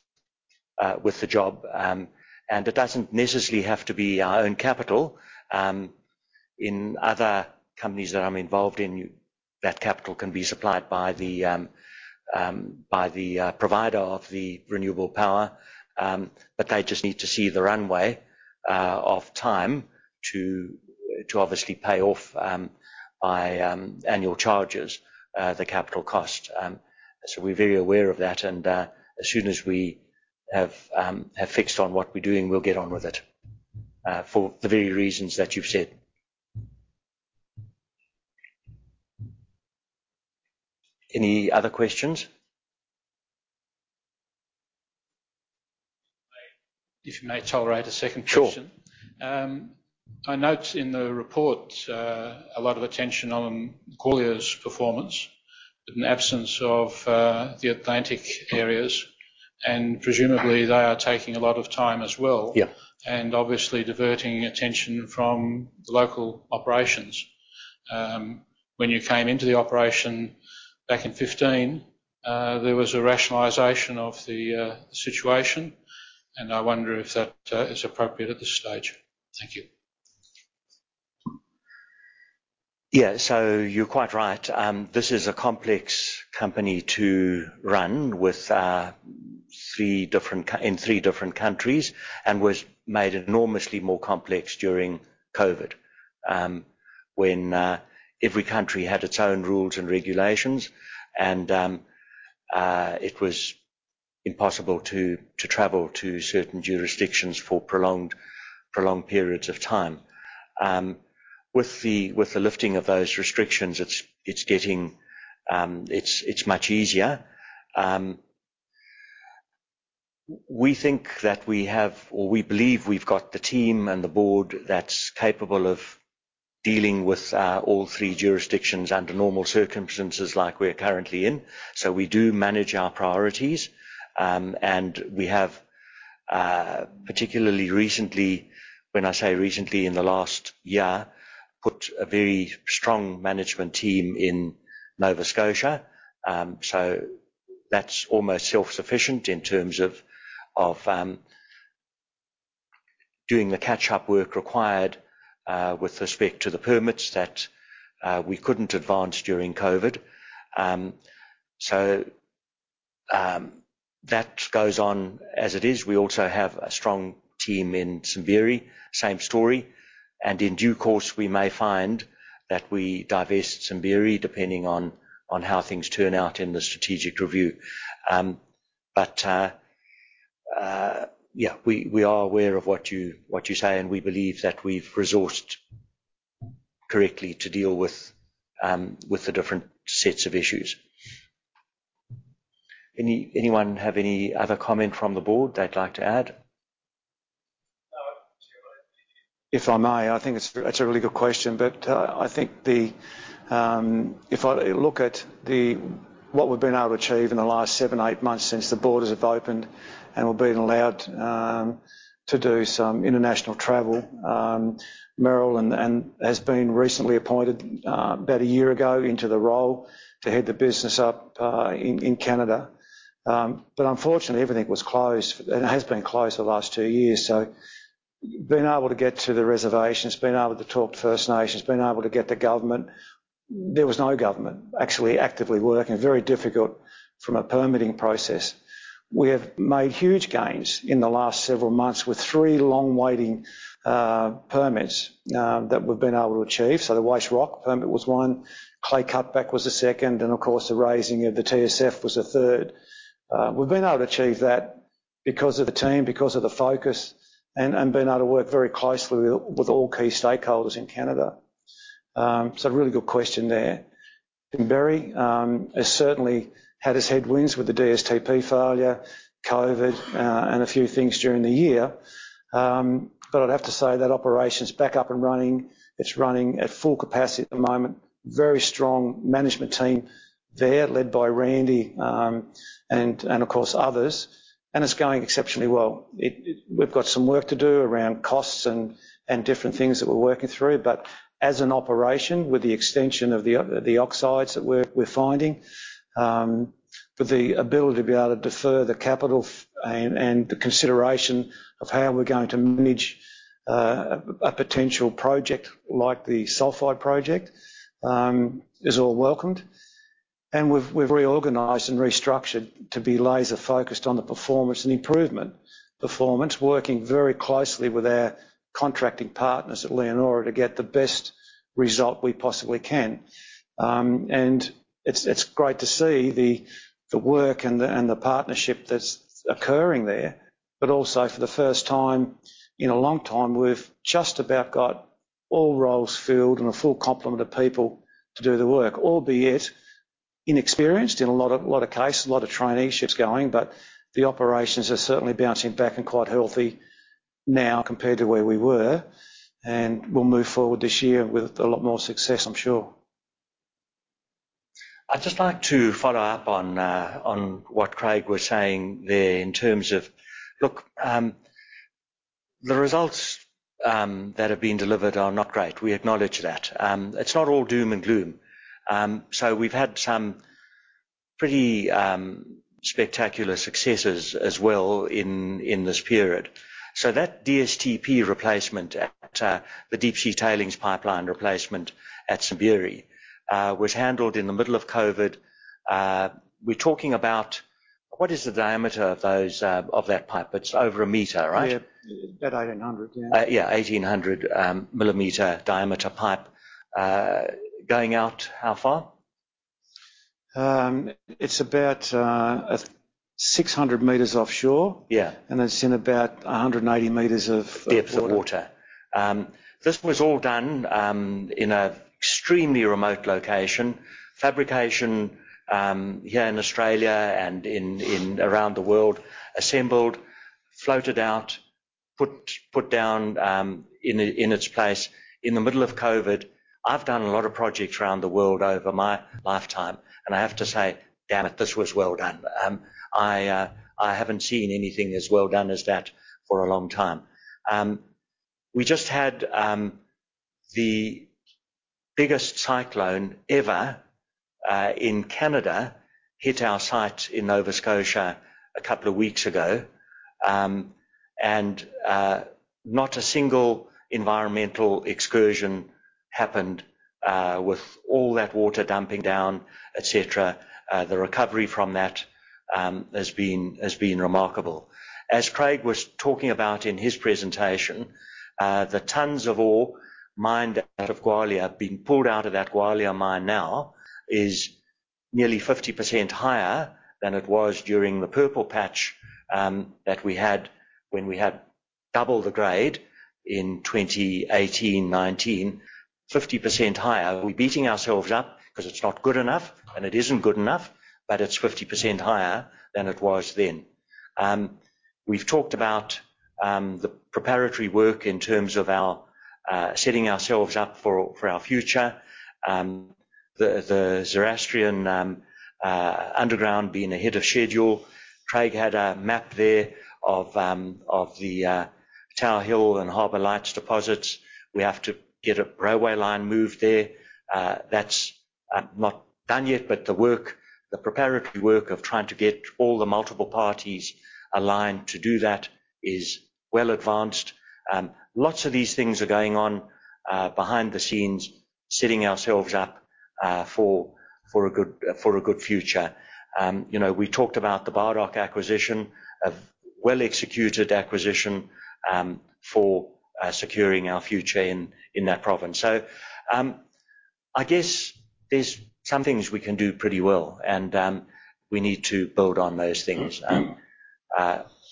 the job. It doesn't necessarily have to be our own capital. In other companies that I'm involved in, that capital can be supplied by the provider of the renewable power. They just need to see the runway of time to obviously pay off by annual charges the capital cost. We're very aware of that, and as soon as we have fixed on what we're doing, we'll get on with it for the very reasons that you've said. Any other questions? If you may tolerate a second question. Sure. I note in the report a lot of attention on Gwalia's performance but an absence of the Atlantic areas, and presumably they are taking a lot of time as well. Yeah. Obviously diverting attention from the local operations. When you came into the operation back in 2015, there was a rationalization of the situation, and I wonder if that is appropriate at this stage. Thank you. Yeah. You're quite right. This is a complex company to run with three different countries and was made enormously more complex during COVID, when every country had its own rules and regulations and it was impossible to travel to certain jurisdictions for prolonged periods of time. With the lifting of those restrictions, it's getting much easier. We think that we have or we believe we've got the team and the board that's capable of dealing with all three jurisdictions under normal circumstances like we're currently in. We do manage our priorities and we have, particularly recently, when I say recently, in the last year, put a very strong management team in Nova Scotia. That's almost self-sufficient in terms of doing the catch-up work required with respect to the permits that we couldn't advance during COVID. That goes on as it is. We also have a strong team in Simberi, same story. In due course, we may find that we divest Simberi depending on how things turn out in the strategic review. Yeah, we are aware of what you say, and we believe that we've resourced correctly to deal with the different sets of issues. Anyone have any other comment from the board they'd like to add? If I may, I think that's a really good question. I think if I look at what we've been able to achieve in the last seven, eight months since the borders have opened and we've been allowed to do some international travel. Meryl has been recently appointed about a year ago into the role to head the business up in Canada. Unfortunately, everything was closed and has been closed the last two years. Being able to get to the reservations, being able to talk to First Nations, being able to get the government. There was no government actually actively working. Very difficult from a permitting process. We have made huge gains in the last several months with 3 long-awaited permits that we've been able to achieve. The White Rock permit was one, Clay Cutback was the second, and of course, the raising of the TSF was the third. We've been able to achieve that because of the team, because of the focus, and being able to work very closely with all key stakeholders in Canada. Really good question there. Simberi has certainly had its headwinds with the DSTP failure, COVID, and a few things during the year. I'd have to say that operation's back up and running. It's running at full capacity at the moment. Very strong management team there, led by Randy, and of course, others. It's going exceptionally well. We've got some work to do around costs and different things that we're working through. As an operation, with the extension of the oxides that we're finding, with the ability to be able to defer the capital and the consideration of how we're going to manage a potential project like the Sulfide project, is all welcomed. We've reorganized and restructured to be laser-focused on the performance and improving performance, working very closely with our contracting partners at Leonora to get the best result we possibly can. It's great to see the work and the partnership that's occurring there. Also for the first time in a long time, we've just about got all roles filled and a full complement of people to do the work, albeit inexperienced in a lot of cases, a lot of traineeships going. The operations are certainly bouncing back and quite healthy now compared to where we were, and we'll move forward this year with a lot more success, I'm sure. I'd just like to follow up on what Craig was saying there in terms of the results that have been delivered are not great. We acknowledge that. It's not all doom and gloom. We've had some pretty spectacular successes as well in this period. That DSTP replacement at the deep sea tailings pipeline replacement at Simberi was handled in the middle of COVID. We're talking about what is the diameter of that pipe? It's over a meter, right? Yeah. About 1,800. Yeah. Yeah. 1800 mm diameter pipe going out how far? It's about 600 m offshore. Yeah. It's in about 180 m of Depth of water. This was all done in an extremely remote location. Fabrication here in Australia and in and around the world, assembled, floated out, put down in its place in the middle of COVID. I've done a lot of projects around the world over my lifetime, and I have to say, damn it, this was well done. I haven't seen anything as well done as that for a long time. We just had the biggest cyclone ever in Canada hit our site in Nova Scotia a couple of weeks ago. Not a single environmental excursion happened with all that water dumping down, et cetera. The recovery from that has been remarkable. As Craig was talking about in his presentation, the tons of ore mined out of Gwalia, being pulled out of that Gwalia mine now is nearly 50% higher than it was during the purple patch that we had when we had double the grade in 2018, 2019. 50% higher. We're beating ourselves up 'cause it's not good enough, and it isn't good enough, but it's 50% higher than it was then. We've talked about the preparatory work in terms of our setting ourselves up for our future. The Zoroastrian underground being ahead of schedule. Craig had a map there of the Tower Hill and Harbour Lights deposits. We have to get a railway line moved there. That's not done yet, but the work, the preparatory work of trying to get all the multiple parties aligned to do that is well advanced. Lots of these things are going on behind the scenes, setting ourselves up for a good future. You know, we talked about the Bardoc acquisition. A well-executed acquisition for securing our future in that province. I guess there's some things we can do pretty well, and we need to build on those things.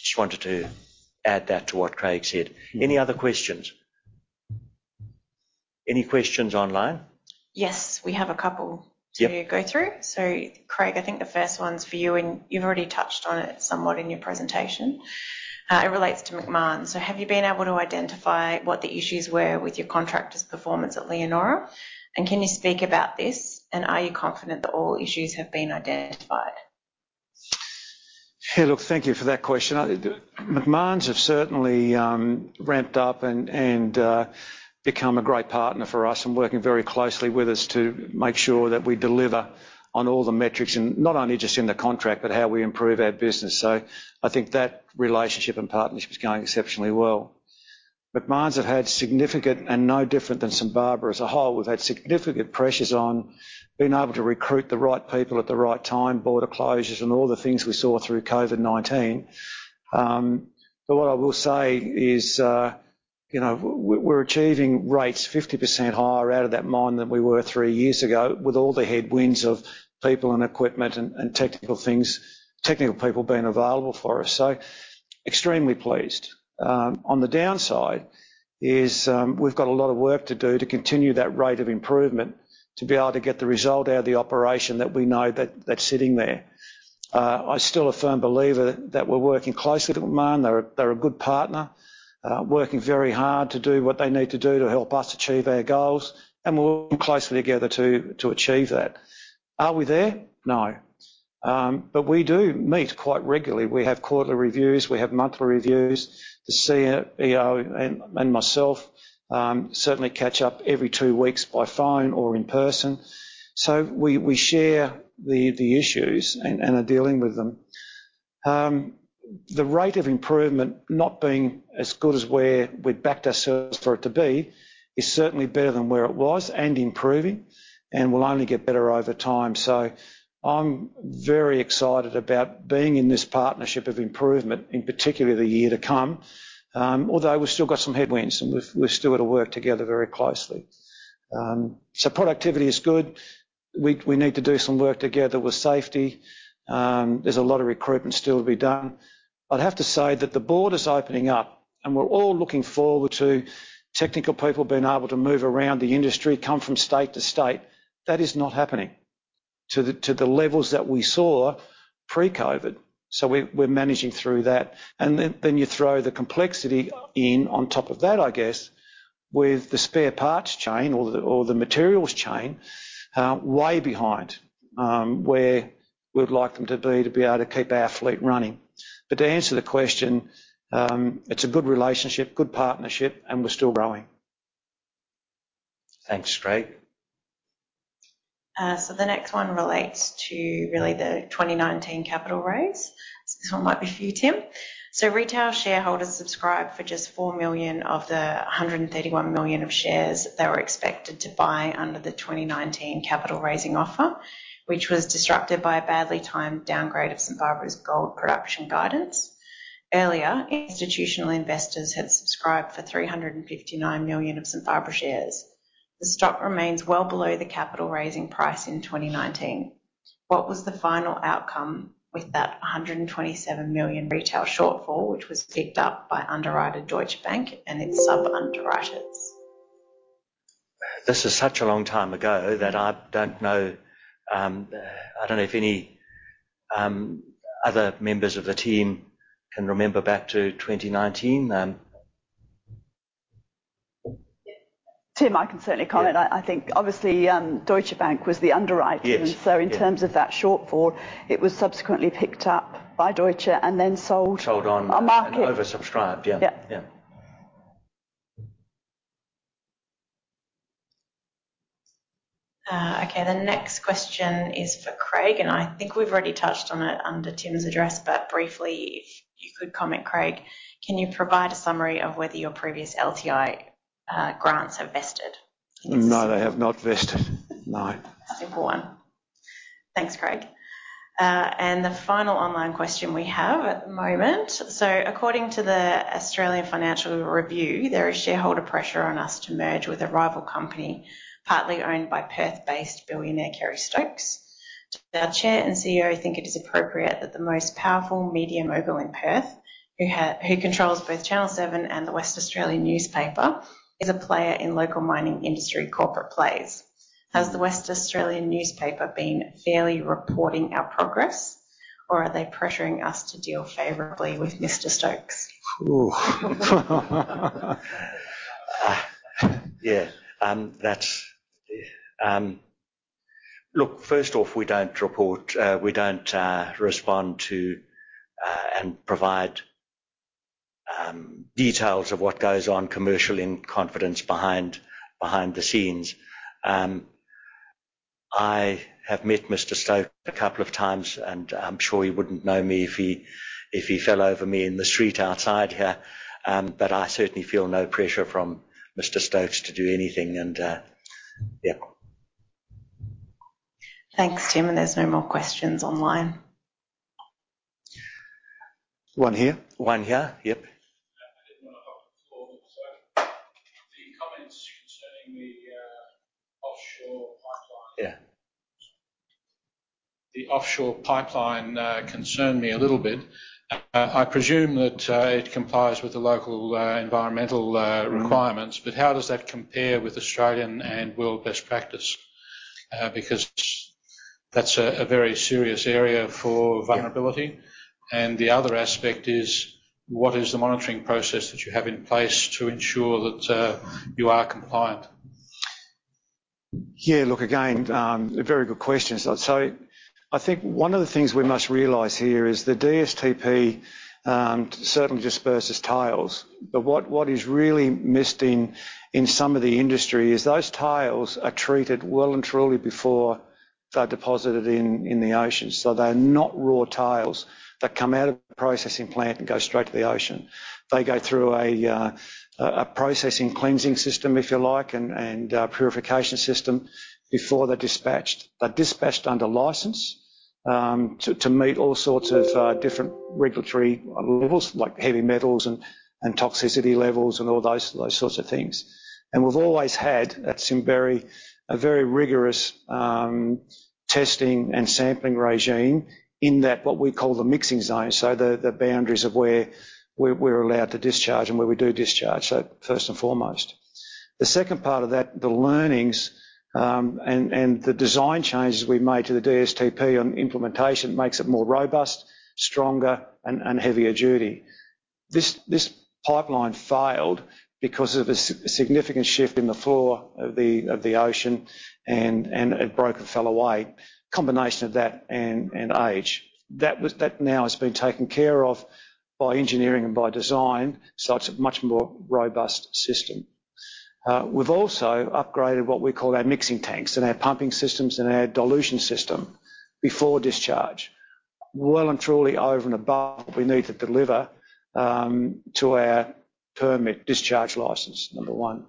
Just wanted to add that to what Craig said. Any other questions? Any questions online? Yes, we have a couple. Yep To go through. Craig, I think the first one's for you, and you've already touched on it somewhat in your presentation. It relates to Macmahon. Have you been able to identify what the issues were with your contractor's performance at Leonora? Can you speak about this? Are you confident that all issues have been identified? Yeah, look, thank you for that question. The Macmahon have certainly ramped up and become a great partner for us and working very closely with us to make sure that we deliver on all the metrics, and not only just in the contract, but how we improve our business. I think that relationship and partnership is going exceptionally well. Macmahon have had significant, and no different than St Barbara as a whole, we've had significant pressures on being able to recruit the right people at the right time, border closures and all the things we saw through COVID-19. But what I will say is, you know, we're achieving rates 50% higher out of that mine than we were three years ago with all the headwinds of people and equipment and technical things, technical people being available for us. Extremely pleased. On the downside is, we've got a lot of work to do to continue that rate of improvement to be able to get the result out of the operation that we know that's sitting there. I'm still a firm believer that we're working closely with Macmahon. They're a good partner, working very hard to do what they need to do to help us achieve our goals, and we're working closely together to achieve that. Are we there? No. But we do meet quite regularly. We have quarterly reviews. We have monthly reviews. The CEO and myself certainly catch up every two weeks by phone or in person. We share the issues and are dealing with them. The rate of improvement not being as good as where we'd backed ourselves for it to be is certainly better than where it was and improving and will only get better over time. I'm very excited about being in this partnership of improvement, in particular the year to come, although we've still got some headwinds and we still gotta work together very closely. Productivity is good. We need to do some work together with safety. There's a lot of recruitment still to be done. I'd have to say that the border's opening up, and we're all looking forward to technical people being able to move around the industry, come from state to state. That is not happening to the levels that we saw pre-COVID. We're managing through that. You throw the complexity in on top of that, I guess, with the spare parts chain or the materials chain way behind where we'd like them to be able to keep our fleet running. To answer the question, it's a good relationship, good partnership, and we're still growing. Thanks, Craig. The next one relates to really the 2019 capital raise. This one might be for you, Tim. Retail shareholders subscribe for just 4 million of the 131 million shares they were expected to buy under the 2019 capital raising offer, which was disrupted by a badly timed downgrade of St Barbara's gold production guidance. Earlier, institutional investors had subscribed for 359 million St Barbara shares. The stock remains well below the capital raising price in 2019. What was the final outcome with that 127 million retail shortfall, which was picked up by underwriter Deutsche Bank and its sub-underwriters? This is such a long time ago that I don't know if any other members of the team can remember back to 2019. Tim, I can certainly comment. Yeah. I think obviously, Deutsche Bank was the underwriter. Yes. Yeah. In terms of that shortfall, it was subsequently picked up by Deutsche and then sold. Sold on- on market. Oversubscribed. Yeah. Yeah. Yeah. Okay. The next question is for Craig, and I think we've already touched on it under Tim's address. Briefly, if you could comment, Craig, can you provide a summary of whether your previous LTI grants have vested? No, they have not vested. No. Simple one. Thanks, Craig. And the final online question we have at the moment. According to The Australian Financial Review, there is shareholder pressure on us to merge with a rival company, partly owned by Perth-based billionaire Kerry Stokes. Does our chair and CEO think it is appropriate that the most powerful media mogul in Perth, who controls both Channel Seven and The West Australian newspaper, is a player in local mining industry corporate plays? Has The West Australian newspaper been fairly reporting our progress, or are they pressuring us to deal favorably with Mr. Stokes? Look, first off, we don't report, we don't respond to, and provide details of what goes on commercially in confidence behind the scenes. I have met Mr. Stokes a couple of times, and I'm sure he wouldn't know me if he fell over me in the street outside here. I certainly feel no pressure from Mr. Stokes to do anything. Thanks, Tim, and there's no more questions online. One here. One here. Yep. I didn't want to hop on board. The comments concerning the, Yeah. The offshore pipeline concerned me a little bit. I presume that it complies with the local environmental requirements, but how does that compare with Australian and world best practice? Because that's a very serious area for vulnerability. The other aspect is, what is the monitoring process that you have in place to ensure that you are compliant? Yeah. Look, again, very good questions. I think one of the things we must realize here is the DSTP certainly disperses tails, but what is really missed in some of the industry is those tails are treated well and truly before they're deposited in the ocean. They're not raw tails that come out of the processing plant and go straight to the ocean. They go through a processing cleansing system, if you like, and purification system before they're dispatched. They're dispatched under license to meet all sorts of different regulatory levels, like heavy metals and toxicity levels and all those sorts of things. We've always had at Simberi a very rigorous testing and sampling regime in that, what we call the mixing zone. The boundaries of where we're allowed to discharge and where we do discharge. First and foremost. The second part of that, the learnings, and the design changes we've made to the DSTP on implementation makes it more robust, stronger and heavier duty. This pipeline failed because of a significant shift in the floor of the ocean and it broke and fell away. Combination of that and age. That now has been taken care of by engineering and by design, so it's a much more robust system. We've also upgraded what we call our mixing tanks and our pumping systems and our dilution system before discharge, well and truly over and above what we need to deliver to our permit discharge license, number one.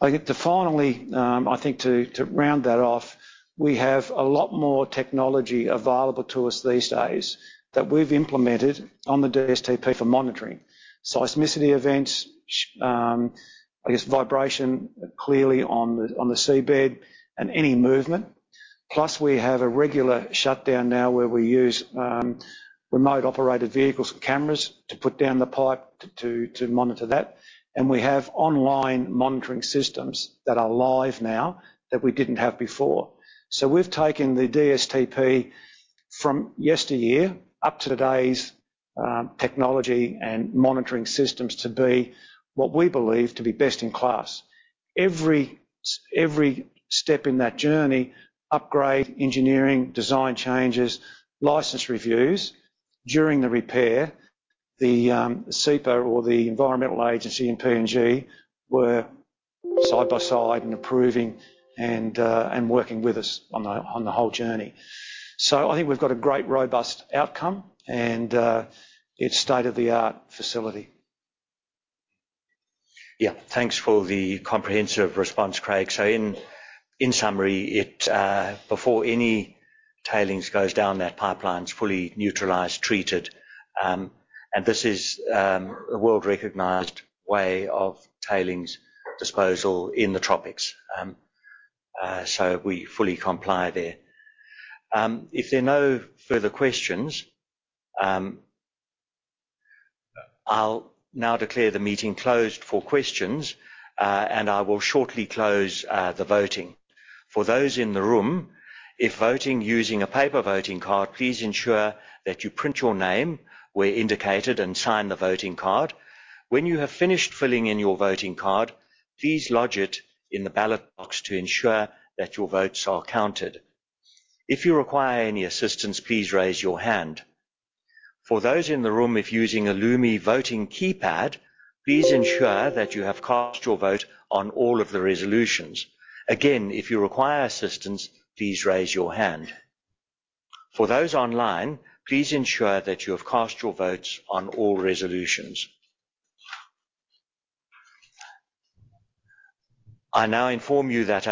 I think to round that off, we have a lot more technology available to us these days that we've implemented on the DSTP for monitoring. Seismicity events, I guess vibration clearly on the seabed and any movement. Plus, we have a regular shutdown now where we use remote operated vehicles with cameras to put down the pipe to monitor that. We have online monitoring systems that are live now that we didn't have before. We've taken the DSTP from yesteryear up to today's technology and monitoring systems to be what we believe to be best in class. Every step in that journey, upgrade, engineering, design changes, license reviews. During the repair, the CEPA or the environmental agency in PNG were side by side in approving and working with us on the whole journey. I think we've got a great, robust outcome and it's state-of-the-art facility. Yeah. Thanks for the comprehensive response, Craig. In summary, before any tailings goes down that pipeline's fully neutralized, treated and this is a world-recognized way of tailings disposal in the tropics. We fully comply there. If there are no further questions, I'll now declare the meeting closed for questions and I will shortly close the voting. For those in the room, if voting using a paper voting card, please ensure that you print your name where indicated and sign the voting card. When you have finished filling in your voting card, please lodge it in the ballot box to ensure that your votes are counted. If you require any assistance, please raise your hand. For those in the room, if using a Lumi voting keypad, please ensure that you have cast your vote on all of the resolutions. Again, if you require assistance, please raise your hand. For those online, please ensure that you have cast your votes on all resolutions. I now inform you that,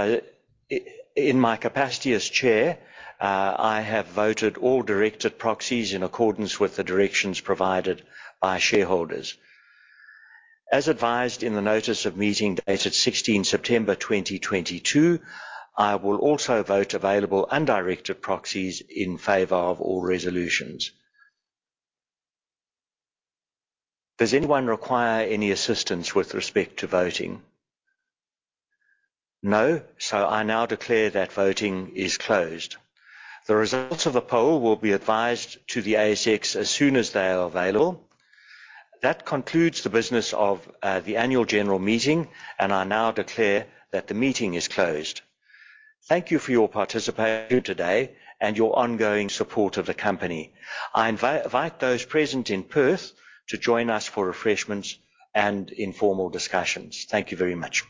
in my capacity as chair, I have voted all directed proxies in accordance with the directions provided by shareholders. As advised in the notice of meeting dated 16 September 2022, I will also vote available undirected proxies in favor of all resolutions. Does anyone require any assistance with respect to voting? No. I now declare that voting is closed. The results of the poll will be advised to the ASX as soon as they are available. That concludes the business of the annual general meeting, and I now declare that the meeting is closed. Thank you for your participation today and your ongoing support of the company. I invite those present in Perth to join us for refreshments and informal discussions. Thank you very much.